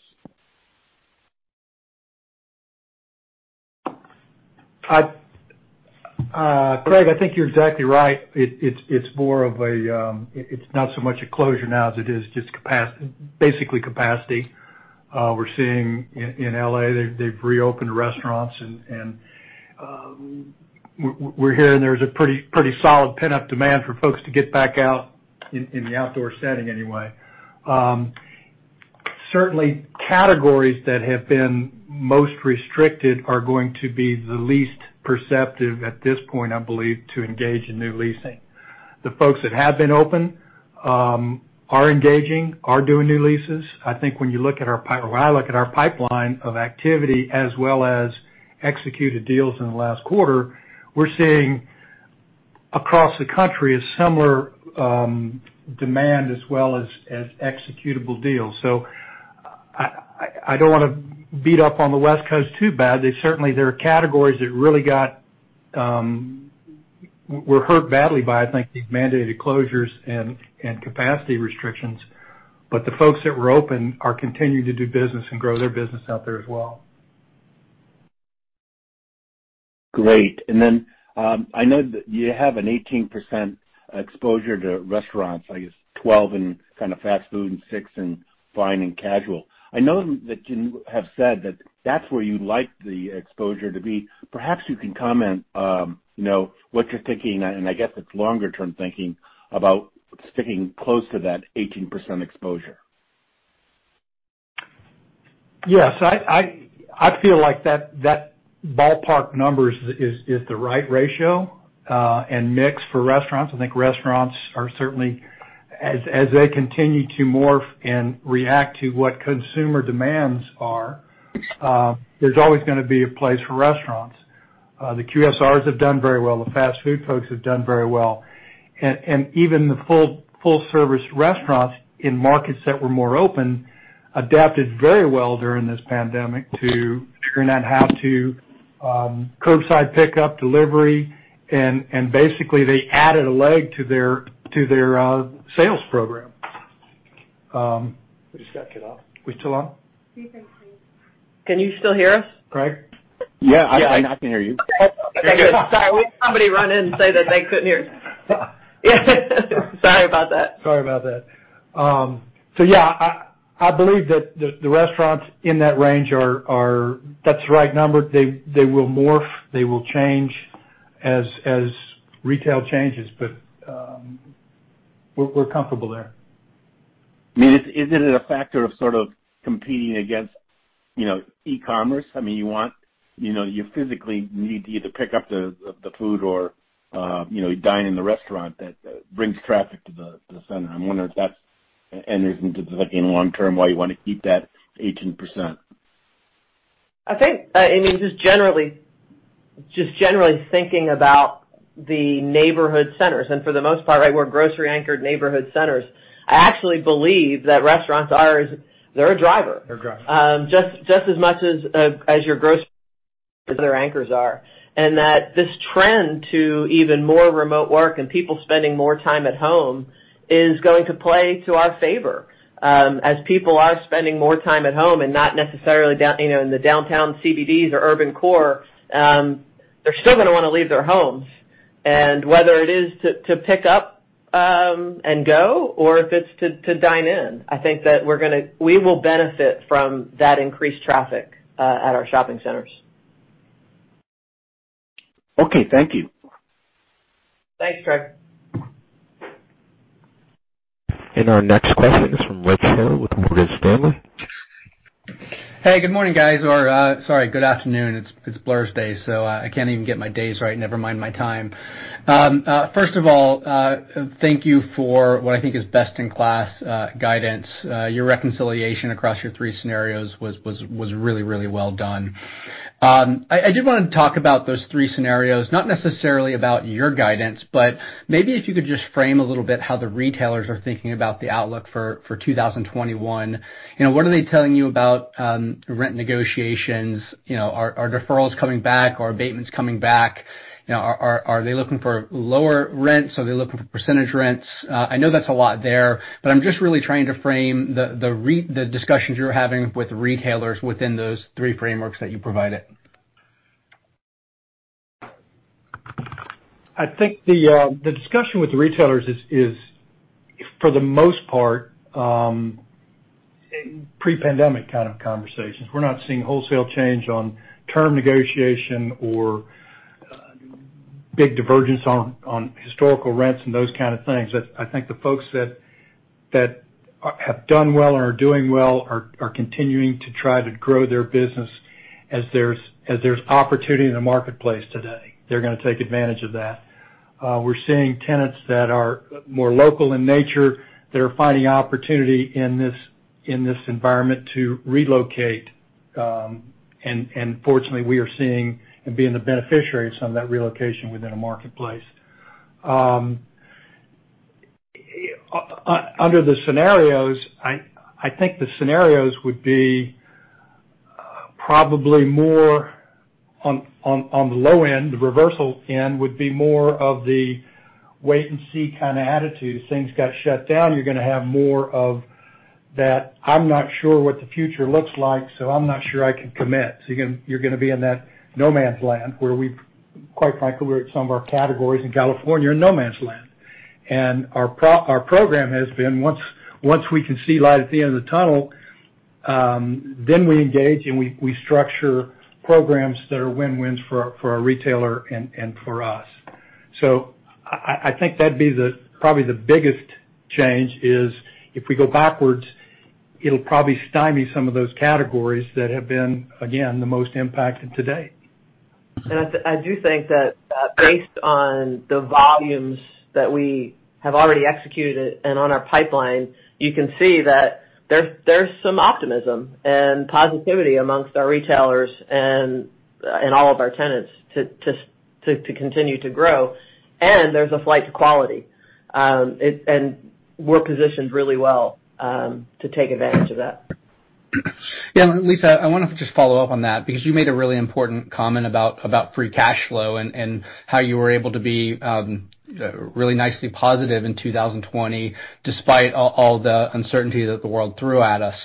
Craig, I think you're exactly right. It's not so much a closure now as it is just basically capacity. We're seeing in L.A., they've reopened restaurants and we're hearing there's a pretty solid pent-up demand for folks to get back out in the outdoor setting anyway. Certainly, categories that have been most restricted are going to be the least perceptive at this point, I believe, to engage in new leasing. The folks that have been open are engaging, are doing new leases. I think when I look at our pipeline of activity as well as executed deals in the last quarter, we're seeing across the country a similar demand as well as executable deals. I don't want to beat up on the West Coast too bad. Certainly, there are categories that really were hurt badly by, I think, these mandated closures and capacity restrictions. The folks that were open are continuing to do business and grow their business out there as well. Great. I know that you have an 18% exposure to restaurants, I guess 12% in kind of fast food and 6% in fine and casual. I know that you have said that that's where you'd like the exposure to be. Perhaps you can comment, what you're thinking, and I guess it's longer term thinking, about sticking close to that 18% exposure. Yes. I feel like that ballpark number is the right ratio and mix for restaurants. I think restaurants are certainly, as they continue to morph and react to what consumer demands are, there's always going to be a place for restaurants. The QSRs have done very well. The fast food folks have done very well. Even the full service restaurants in markets that were more open adapted very well during this pandemic to figuring out how to curbside pickup, delivery, and basically they added a leg to their sales program. We just got cut off. We still on? Do you think so? Can you still hear us, Craig? Yeah, I can hear you. Sorry. We had somebody run in say that they couldn't hear us. Sorry about that. Sorry about that. Yeah, I believe that the restaurants in that range are. That's the right number. They will morph, they will change as retail changes. We're comfortable there. Is it a factor of sort of competing against e-commerce? You physically need to either pick up the food or dine in the restaurant. That brings traffic to the center. I'm wondering if that enters into thinking long term why you want to keep that 18%. I think, just generally thinking about the neighborhood centers, and for the most part, we're a grocery anchored neighborhood centers. I actually believe that restaurants, they're a driver. They're a driver. Just as much as your grocery, as other anchors are. That this trend to even more remote work and people spending more time at home is going to play to our favor. As people are spending more time at home and not necessarily in the downtown CBDs or urban core, they're still going to want to leave their homes. Whether it is to pick up and go or if it's to dine in, I think that we will benefit from that increased traffic at our shopping centers. Okay. Thank you. Thanks, Craig. Our next question is from Rich Hill with Morgan Stanley. Hey, good morning, guys. Sorry, good afternoon. It's Blursday, I can't even get my days right, never mind my time. First of all, thank you for what I think is best in class guidance. Your reconciliation across your three scenarios was really well done. I did want to talk about those three scenarios, not necessarily about your guidance, maybe if you could just frame a little bit how the retailers are thinking about the outlook for 2021. What are they telling you about rent negotiations? Are deferrals coming back? Are abatements coming back? Are they looking for lower rents? Are they looking for percentage rents? I know that's a lot there, I'm just really trying to frame the discussions you're having with retailers within those three frameworks that you provided. I think the discussion with the retailers is, for the most part, pre-pandemic kind of conversations. We're not seeing wholesale change on term negotiation or big divergence on historical rents and those kind of things. I think the folks that have done well or are doing well are continuing to try to grow their business as there's opportunity in the marketplace today. They're going to take advantage of that. We're seeing tenants that are more local in nature that are finding opportunity in this environment to relocate, and fortunately, we are seeing and being the beneficiaries on that relocation within a marketplace. Under the scenarios, I think the scenarios would be probably more on the low end, the reversal end would be more of the wait and see kind of attitude. If things got shut down, you're going to have more of that, I'm not sure what the future looks like, so I'm not sure I can commit. You're going to be in that no man's land, where Quite frankly, we're at some of our categories in California are no man's land. Our program has been, once we can see light at the end of the tunnel, then we engage and we structure programs that are win-wins for our retailer and for us. I think that'd be probably the biggest change is if we go backwards, it'll probably stymie some of those categories that have been, again, the most impacted to date. I do think that based on the volumes that we have already executed and on our pipeline, you can see that there's some optimism and positivity amongst our retailers and all of our tenants to continue to grow. There's a flight to quality. We're positioned really well to take advantage of that. Lisa, I want to just follow up on that because you made a really important comment about free cash flow and how you were able to be really nicely positive in 2020 despite all the uncertainty that the world threw at us.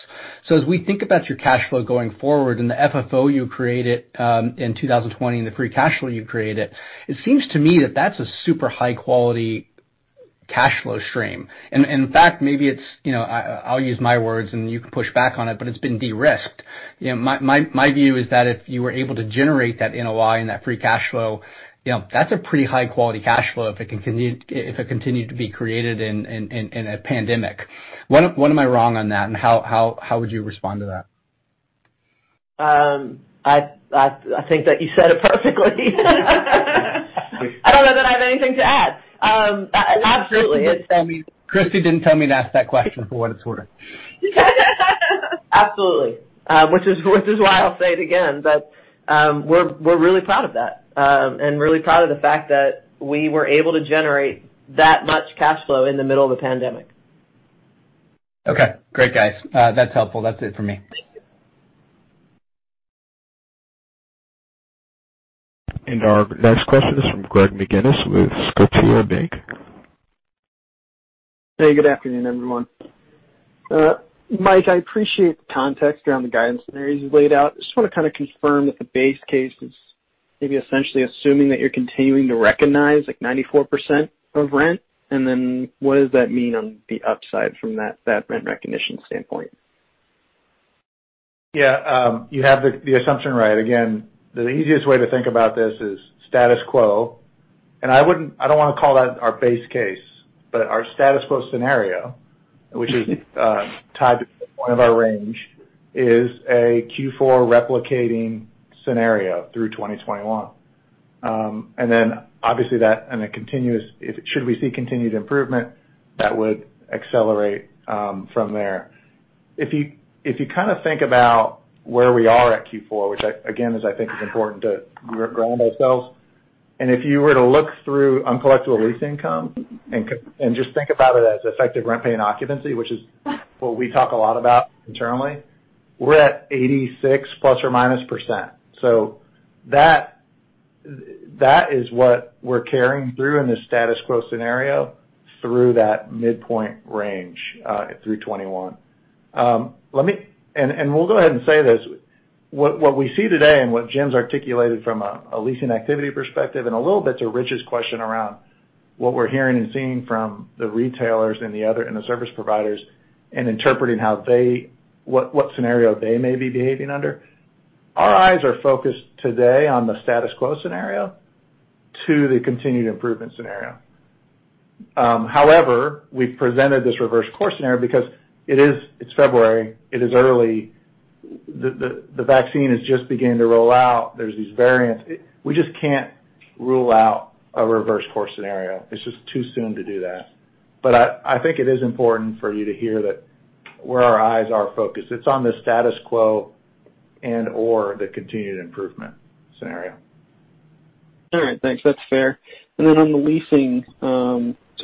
As we think about your cash flow going forward and the FFO you created in 2020 and the free cash flow you created, it seems to me that that's a super high-quality cash flow stream. In fact, maybe it's, I'll use my words, and you can push back on it, but it's been de-risked. My view is that if you were able to generate that NOI and that free cash flow, that's a pretty high-quality cash flow if it continued to be created in a pandemic. When am I wrong on that, and how would you respond to that? I think that you said it perfectly. I don't know that I have anything to add. Absolutely. Christy didn't tell me to ask that question for what it's worth. Absolutely. Which is why I'll say it again, but we're really proud of that, and really proud of the fact that we were able to generate that much cash flow in the middle of a pandemic. Okay. Great, guys. That's helpful. That's it for me. Our next question is from Greg McGinnis with Scotiabank. Hey, good afternoon, everyone. Mike, I appreciate the context around the guidance scenarios you've laid out. I just want to kind of confirm that the base case is maybe essentially assuming that you're continuing to recognize like 94% of rent, and then what does that mean on the upside from that rent recognition standpoint? Yeah. You have the assumption right. Again, the easiest way to think about this is status quo, and I don't want to call that our base case, but our status quo scenario, which is tied to the point of our range, is a Q4 replicating scenario through 2021. Obviously that on a continuous If should we see continued improvement, that would accelerate from there. If you kind of think about where we are at Q4, which again is I think is important to ground ourselves, and if you were to look through uncollectible lease income and just think about it as effective rent paying occupancy, which is what we talk a lot about internally, we're at 86±%. That is what we're carrying through in the status quo scenario through that midpoint range, through 2021. We'll go ahead and say this, what we see today and what Jim's articulated from a leasing activity perspective and a little bit to Rich's question around what we're hearing and seeing from the retailers and the service providers and interpreting what scenario they may be behaving under, our eyes are focused today on the status quo scenario to the continued improvement scenario. However, we've presented this reverse course scenario because it's February, it is early. The vaccine is just beginning to roll out. There's these variants. We just can't rule out a reverse course scenario. It's just too soon to do that. I think it is important for you to hear that where our eyes are focused, it's on the status quo and/or the continued improvement scenario. All right. Thanks. That's fair. Then on the leasing,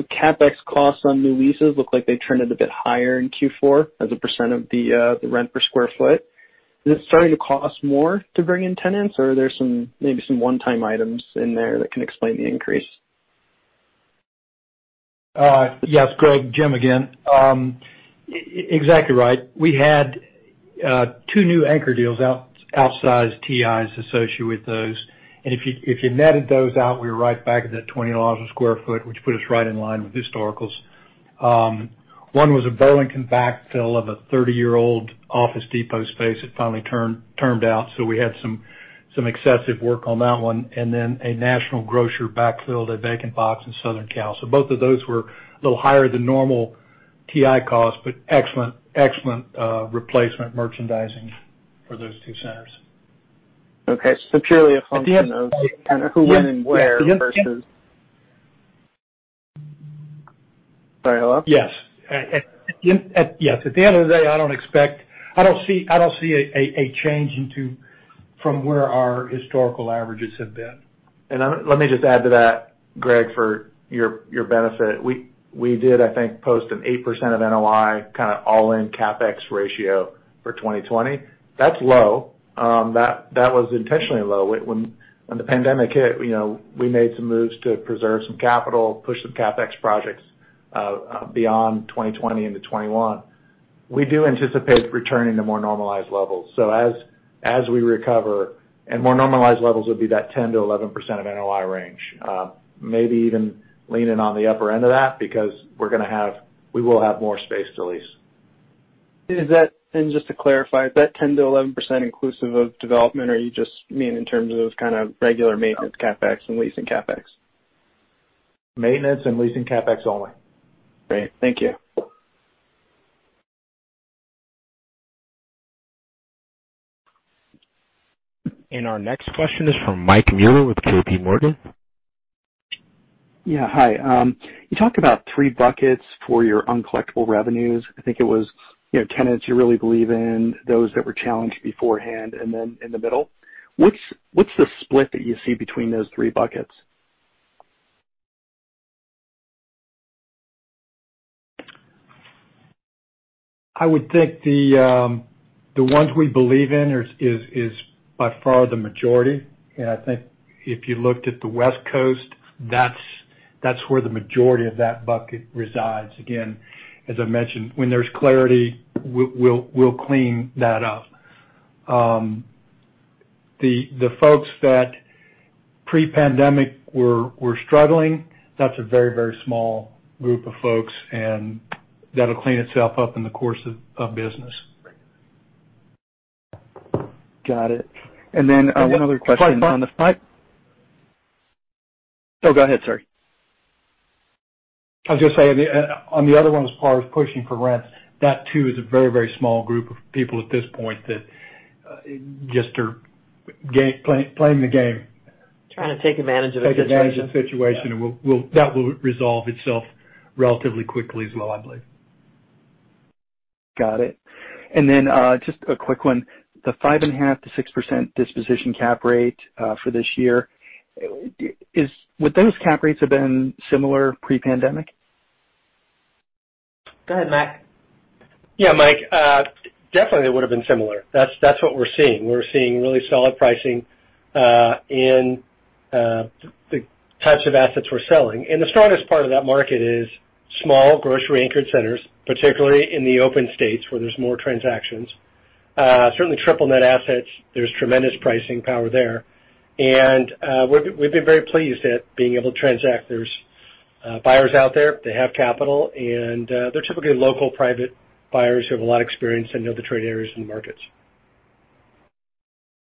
CapEx costs on new leases look like they turned it a bit higher in Q4 as a % of the rent per square foot. Is it starting to cost more to bring in tenants, or are there maybe some one-time items in there that can explain the increase? Yes, Greg. Jim again. Exactly right. We had two new anchor deals, outsized TIs associated with those. If you netted those out, we were right back at that $20 a square foot, which put us right in line with historicals. One was a Burlington backfill of a 30-year-old Office Depot space that finally termed out, so we had some excessive work on that one, and then a National Grocer backfilled a vacant box in Southern Cal. Both of those were a little higher than normal TI costs, but excellent replacement merchandising for those two centers. Okay, purely a function of kind of who, when, and where versus. Sorry, hello? Yes. At the end of the day, I don't see a change from where our historical averages have been. Let me just add to that, Greg, for your benefit. We did, I think, post an 8% of NOI, kind of all-in CapEx ratio for 2020. That's low. That was intentionally low. When the pandemic hit, we made some moves to preserve some capital, push some CapEx projects beyond 2020 into 2021. We do anticipate returning to more normalized levels. As we recover, and more normalized levels would be that 10%-11% of NOI range. Maybe even leaning on the upper end of that because we will have more space to lease. Just to clarify, is that 10%-11% inclusive of development or you just mean in terms of kind of regular maintenance CapEx and leasing CapEx? Maintenance and leasing CapEx only. Great. Thank you. Our next question is from Mike Mueller with JPMorgan. Yeah, hi. You talked about three buckets for your uncollectible revenues. I think it was tenants you really believe in, those that were challenged beforehand, and then in the middle. What's the split that you see between those three buckets? I would think the ones we believe in is by far the majority. I think if you looked at the West Coast, that's where the majority of that bucket resides. Again, as I mentioned, when there's clarity, we'll clean that up. The folks that pre-pandemic were struggling, that's a very small group of folks, and that'll clean itself up in the course of business. Got it. One other question on the, oh, go ahead, sorry. I was just saying, on the other one, as far as pushing for rents, that too is a very small group of people at this point that just are playing the game. Trying to take advantage of the situation. Take advantage of the situation, and that will resolve itself relatively quickly as well, I believe. Got it. Just a quick one, the 5.5%-6% disposition cap rate for this year, would those cap rates have been similar pre-pandemic? Go ahead, Mike. Yeah, Mike. Definitely they would've been similar. That's what we're seeing. We're seeing really solid pricing in the types of assets we're selling. The strongest part of that market is small grocery anchored centers, particularly in the open states where there's more transactions. Certainly triple net assets, there's tremendous pricing power there. We've been very pleased at being able to transact. There's buyers out there. They have capital, and they're typically local private buyers who have a lot of experience and know the trade areas and the markets.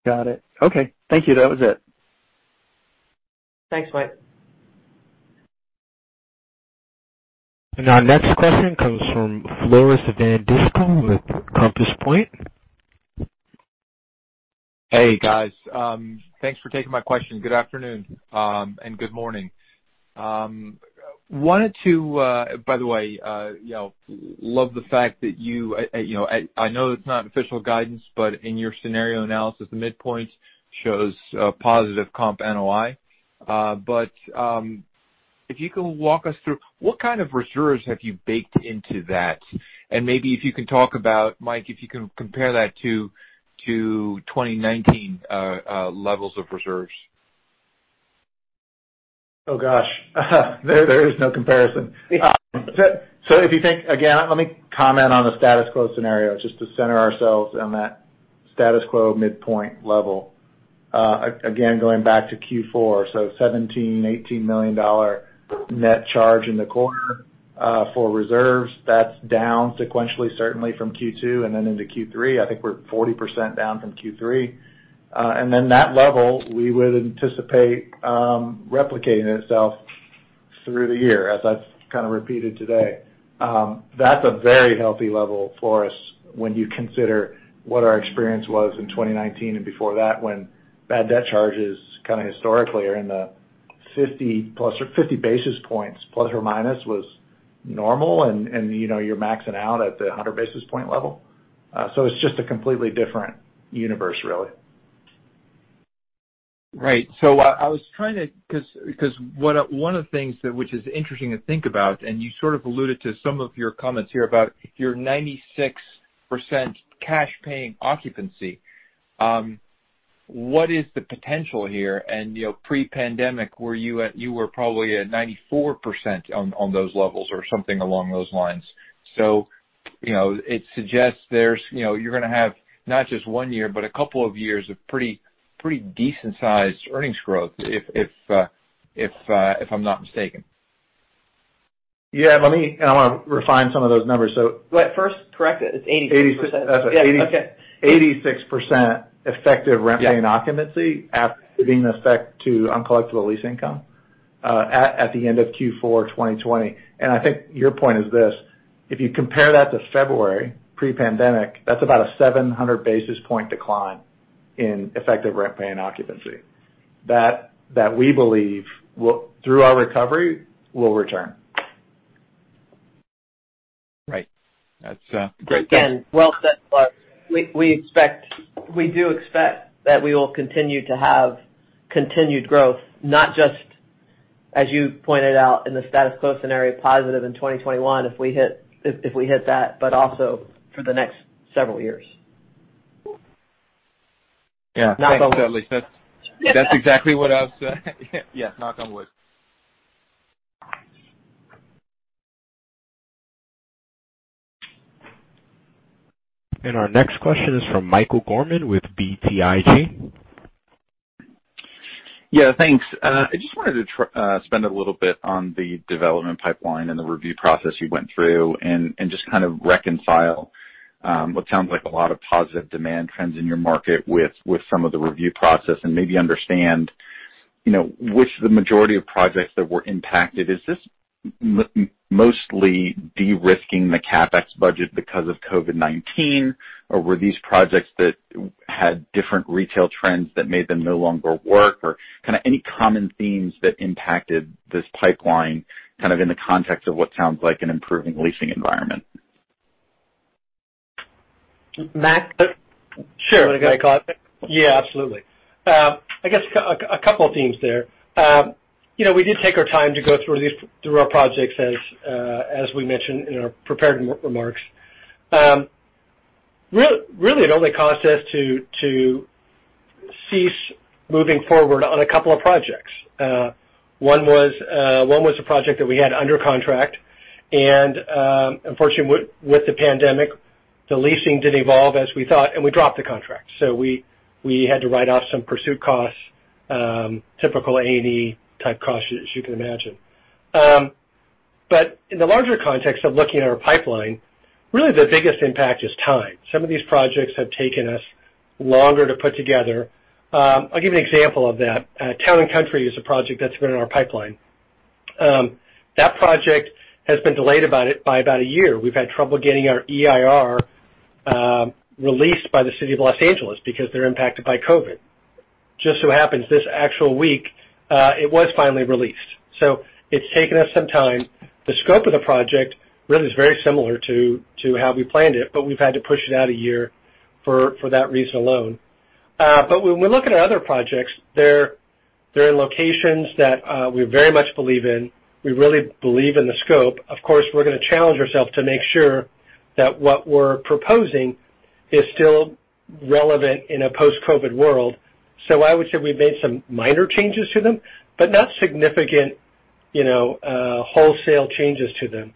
Got it. Okay. Thank you. That was it. Our next question comes from Floris van Dijkum with Compass Point. Hey, guys. Thanks for taking my question. Good afternoon, and good morning. By the way, I know it's not official guidance, but in your scenario analysis, the midpoint shows a positive comp NOI. If you can walk us through, what kind of reserves have you baked into that? Maybe if you can talk about, Mike, if you can compare that to 2019 levels of reserves. Oh, gosh. There is no comparison. Yeah. If you think, again, let me comment on the status quo scenario, just to center ourselves on that status quo midpoint level. Going back to Q4, $17, $18 million net charge in the quarter for reserves. That's down sequentially, certainly from Q2 and then into Q3. I think we're 40% down from Q3. That level we would anticipate replicating itself through the year, as I've kind of repeated today. That's a very healthy level for us when you consider what our experience was in 2019 and before that when bad debt charges kind of historically are in the 50 basis points, ±, was normal, and you're maxing out at the 100 basis point level. It's just a completely different universe, really. Right. One of the things that which is interesting to think about, and you sort of alluded to some of your comments here about your 96% cash paying occupancy. What is the potential here? Pre-pandemic, you were probably at 94% on those levels or something along those lines. It suggests you're going to have not just one year, but a couple of years of pretty decent-sized earnings growth if I'm not mistaken. Yeah. I want to refine some of those numbers. Wait, first, correct it. It's 86%. 86. Yeah. Okay. 86% effective rent-paying occupancy after giving the effect to uncollectible lease income at the end of Q4 2020. I think your point is this, if you compare that to February pre-pandemic, that's about a 700 basis point decline in effective rent-paying occupancy. That we believe, through our recovery, will return. Right. That's great. Again, well said, Clark. We do expect that we will continue to have continued growth, not just, as you pointed out in the status quo scenario, positive in 2021 if we hit that, but also for the next several years. Knock on wood. Yeah. That's exactly what I was. Yeah, knock on wood. Our next question is from Michael Gorman with BTIG. Yeah, thanks. I just wanted to spend a little bit on the development pipeline and the review process you went through and just kind of reconcile what sounds like a lot of positive demand trends in your market with some of the review process and maybe understand, which of the majority of projects that were impacted. Is this mostly de-risking the CapEx budget because of COVID-19, or were these projects that had different retail trends that made them no longer work, or kind of any common themes that impacted this pipeline, kind of in the context of what sounds like an improving leasing environment? Mac? Sure. You want to take on it? Yeah, absolutely. I guess a couple of themes there. We did take our time to go through our projects as we mentioned in our prepared remarks. Really, it only caused us to cease moving forward on a couple of projects. One was a project that we had under contract, and unfortunately with the pandemic, the leasing didn't evolve as we thought, and we dropped the contract. We had to write off some pursuit costs, typical A&E type costs, as you can imagine. In the larger context of looking at our pipeline, really the biggest impact is time. Some of these projects have taken us longer to put together. I'll give you an example of that. Town and Country is a project that's been in our pipeline. That project has been delayed by about a year. We've had trouble getting our EIR released by the city of Los Angeles because they're impacted by COVID. Just so happens this actual week, it was finally released. It's taken us some time. The scope of the project really is very similar to how we planned it, but we've had to push it out a year for that reason alone. When we look at our other projects, they're in locations that we very much believe in. We really believe in the scope. Of course, we're going to challenge ourselves to make sure that what we're proposing is still relevant in a post-COVID world. I would say we've made some minor changes to them, but not significant wholesale changes to them.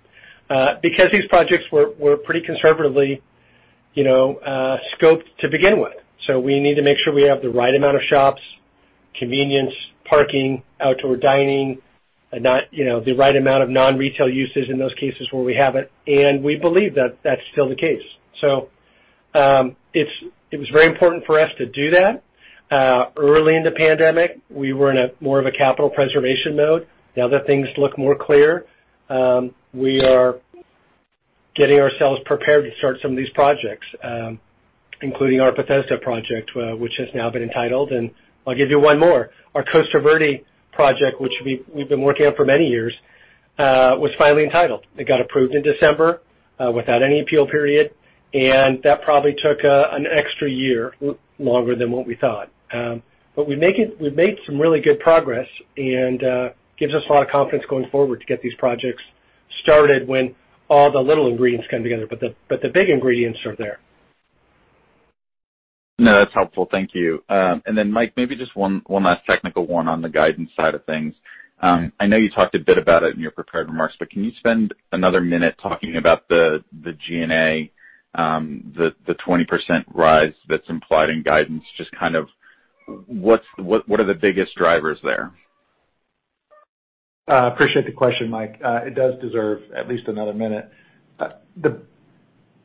Because these projects were pretty conservatively scoped to begin with. We need to make sure we have the right amount of shops, convenience, parking, outdoor dining, the right amount of non-retail uses in those cases where we have it. We believe that's still the case. It was very important for us to do that. Early in the pandemic, we were in a more of a capital preservation mode. Now that things look more clear, we are getting ourselves prepared to start some of these projects, including our Bethesda project, which has now been entitled. I'll give you one more. Our Costa Verde project, which we've been working on for many years, was finally entitled. It got approved in December, without any appeal period, and that probably took an extra year, longer than what we thought. We've made some really good progress and gives us a lot of confidence going forward to get these projects started when all the little ingredients come together. The big ingredients are there. No, that's helpful. Thank you. Then Mike, maybe just one last technical one on the guidance side of things. I know you talked a bit about it in your prepared remarks, but can you spend another minute talking about the G&A, the 20% rise that's implied in guidance, just kind of what are the biggest drivers there? Appreciate the question, Mike. It does deserve at least another minute.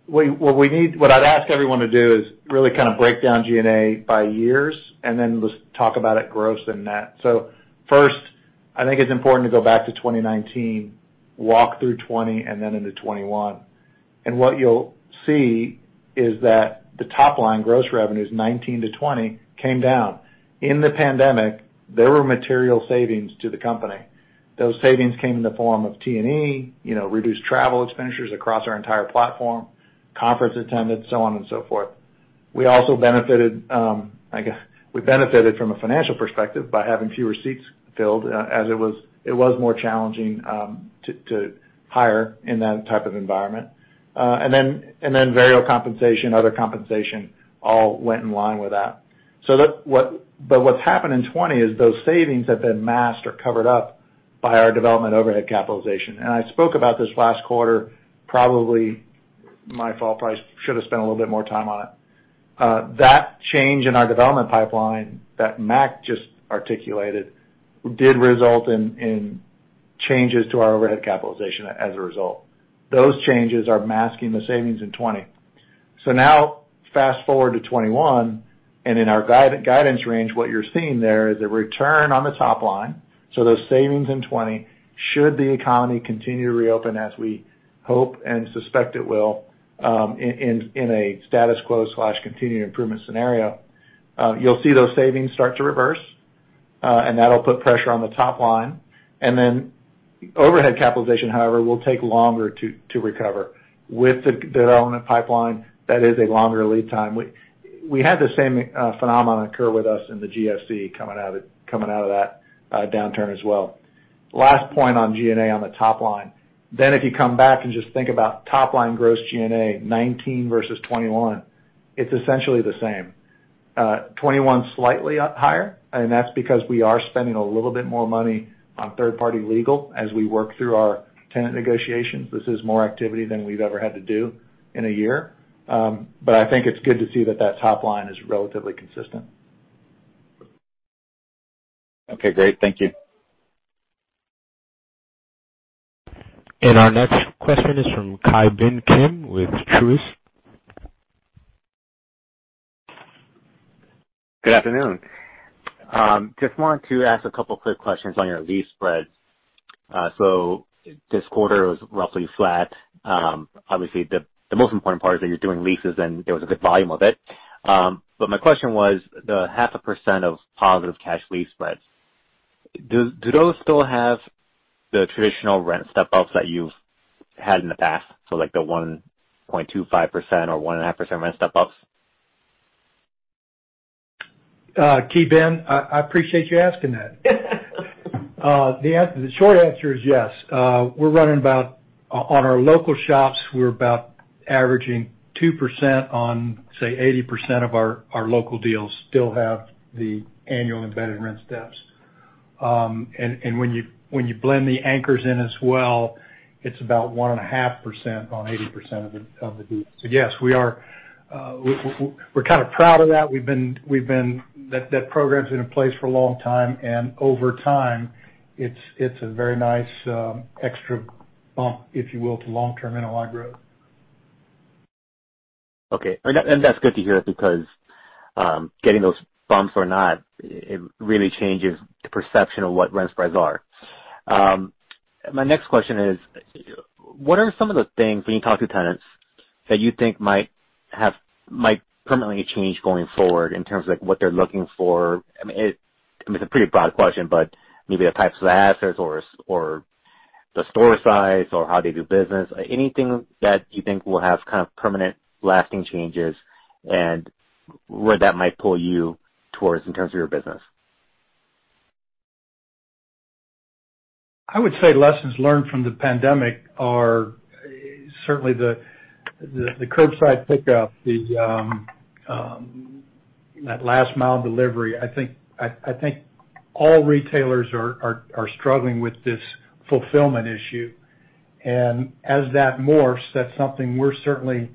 What I'd ask everyone to do is really kind of break down G&A by years. Then let's talk about it gross and net. First, I think it's important to go back to 2019, walk through 2020. Then into 2021. What you'll see is that the top-line gross revenues 2019 to 2020 came down. In the pandemic, there were material savings to the company. Those savings came in the form of T&E, reduced travel expenditures across our entire platform, conference attendance, so on and so forth. We also benefited from a financial perspective by having fewer seats filled, as it was more challenging to hire in that type of environment. Then variable compensation, other compensation all went in line with that. What's happened in 2020 is those savings have been masked or covered up By our development overhead capitalization. I spoke about this last quarter, probably my fault, probably should have spent a little bit more time on it. That change in our development pipeline that Mac just articulated, did result in changes to our overhead capitalization as a result. Those changes are masking the savings in 2020. Now fast-forward to 2021, and in our guidance range, what you're seeing there is a return on the top line. Those savings in 2020, should the economy continue to reopen as we hope and suspect it will, in a status quo/continued improvement scenario, you'll see those savings start to reverse, and that'll put pressure on the top line. Then overhead capitalization, however, will take longer to recover. With the development pipeline, that is a longer lead time. We had the same phenomenon occur with us in the GFC coming out of that downturn as well. Last point on G&A on the top line. If you come back and just think about top-line gross G&A, 2019 versus 2021, it's essentially the same. 2021's slightly higher, and that's because we are spending a little bit more money on third-party legal as we work through our tenant negotiations. This is more activity than we've ever had to do in a year. I think it's good to see that that top line is relatively consistent. Okay, great. Thank you. Our next question is from Ki Bin Kim with Truist. Good afternoon. Just wanted to ask a couple quick questions on your lease spreads. This quarter was roughly flat. Obviously, the most important part is that you're doing leases, and there was a good volume of it. My question was, the half a % of positive cash lease spreads, do those still have the traditional rent step-ups that you've had in the past? Like the 1.25% or 1.5% rent step-ups? Ki Bin, I appreciate you asking that. The short answer is yes. We're running about, on our local shops, we're about averaging 2% on, say, 80% of our local deals still have the annual embedded rent steps. When you blend the anchors in as well, it's about 1.5% on 80% of the deals. Yes, we're kind of proud of that. That program's been in place for a long time, and over time, it's a very nice extra bump, if you will, to long-term NOI growth. Okay. That's good to hear because getting those bumps or not, it really changes the perception of what rent spreads are. My next question is, what are some of the things, when you talk to tenants, that you think might permanently change going forward in terms of what they're looking for? It's a pretty broad question, but maybe the types of assets or the store size or how they do business. Anything that you think will have kind of permanent, lasting changes and where that might pull you towards in terms of your business? I would say lessons learned from the pandemic are certainly the curbside pickup, that last mile delivery. I think all retailers are struggling with this fulfillment issue. As that morphs, that's something we're certainly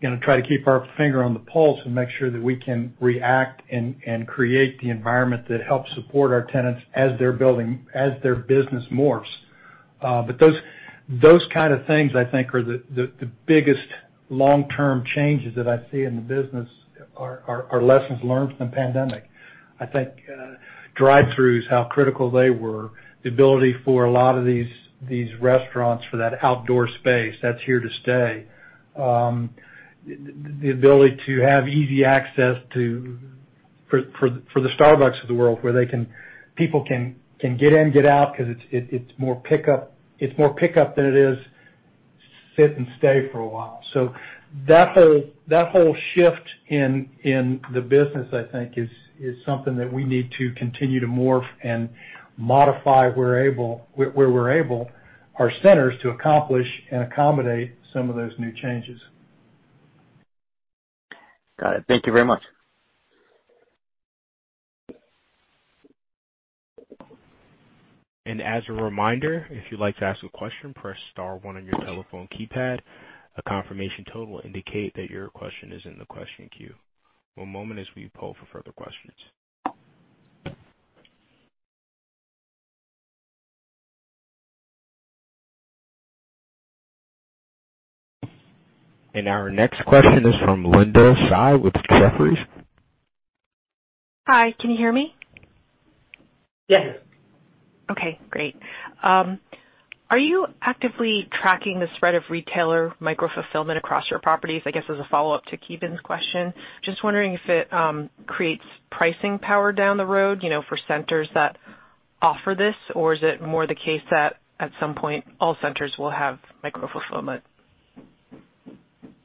going to try to keep our finger on the pulse and make sure that we can react and create the environment that helps support our tenants as their business morphs. Those kind of things, I think, are the biggest long-term changes that I see in the business are lessons learned from the pandemic. I think drive-throughs, how critical they were, the ability for a lot of these restaurants for that outdoor space, that's here to stay. The ability to have easy access for the Starbucks of the world, where people can get in, get out, because it's more pickup than it is sit and stay for a while. That whole shift in the business, I think, is something that we need to continue to morph and modify where we're able, our centers, to accomplish and accommodate some of those new changes. Got it. Thank you very much. As a reminder, if you'd like to ask a question, press star one on your telephone keypad. A confirmation tone will indicate that your question is in the question queue. One moment as we poll for further questions. Our next question is from Linda Tsai with Jefferies. Hi, can you hear me? Yes. Okay, great. Are you actively tracking the spread of retailer micro-fulfillment across your properties? I guess, as a follow-up to Ki Bin's question. Just wondering if it creates pricing power down the road for centers that offer this, or is it more the case that at some point all centers will have micro-fulfillment?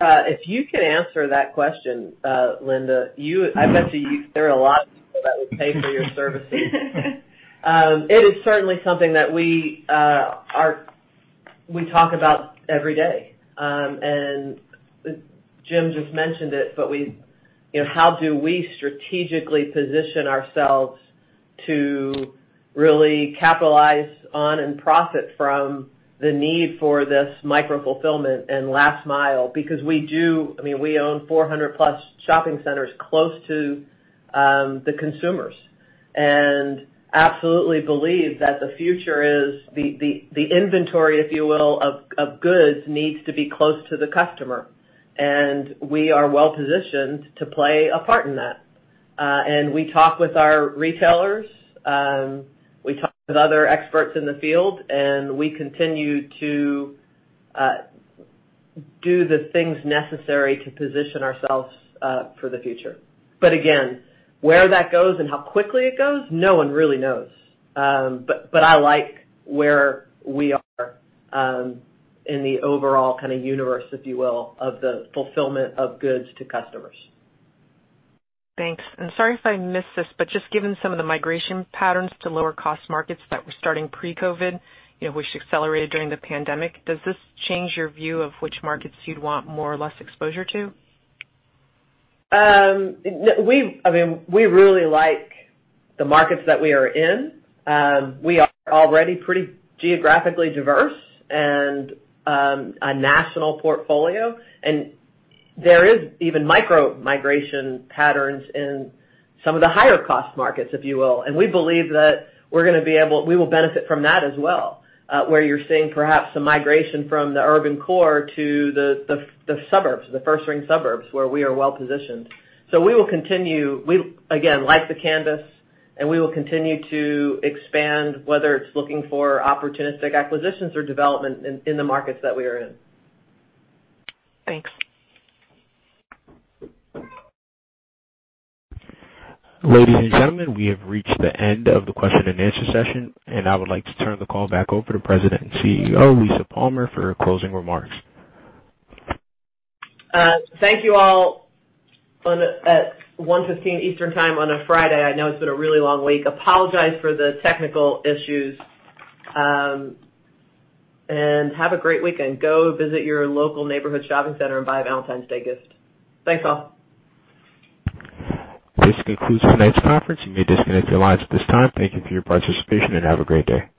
If you could answer that question, Linda, I bet you there are a lot of people that would pay for your services. It is certainly something that We talk about every day. Jim just mentioned it, but how do we strategically position ourselves to really capitalize on and profit from the need for this micro-fulfillment and last mile? We own 400+ shopping centers close to the consumers, and absolutely believe that the future is the inventory, if you will, of goods needs to be close to the customer. We are well-positioned to play a part in that. We talk with our retailers, we talk with other experts in the field, and we continue to do the things necessary to position ourselves for the future. Again, where that goes and how quickly it goes, no one really knows. I like where we are in the overall kind of universe, if you will, of the fulfillment of goods to customers. Thanks. Sorry if I missed this, just given some of the migration patterns to lower cost markets that were starting pre-COVID, which accelerated during the pandemic, does this change your view of which markets you'd want more or less exposure to? We really like the markets that we are in. We are already pretty geographically diverse and a national portfolio, and there is even micro migration patterns in some of the higher cost markets, if you will. We believe that we will benefit from that as well, where you're seeing perhaps some migration from the urban core to the suburbs, the first ring suburbs, where we are well positioned. We will continue. We, again, like the canvas, and we will continue to expand, whether it's looking for opportunistic acquisitions or development in the markets that we are in. Thanks. Ladies and gentlemen, we have reached the end of the question-and-answer session. I would like to turn the call back over to President and CEO, Lisa Palmer, for closing remarks. Thank you all at 1:15 Eastern Time on a Friday. I know it's been a really long week. Apologize for the technical issues, and have a great weekend. Go visit your local neighborhood shopping center and buy a Valentine's Day gift. Thanks, all. This concludes tonight's conference. You may disconnect your lines at this time. Thank you for your participation, and have a great day.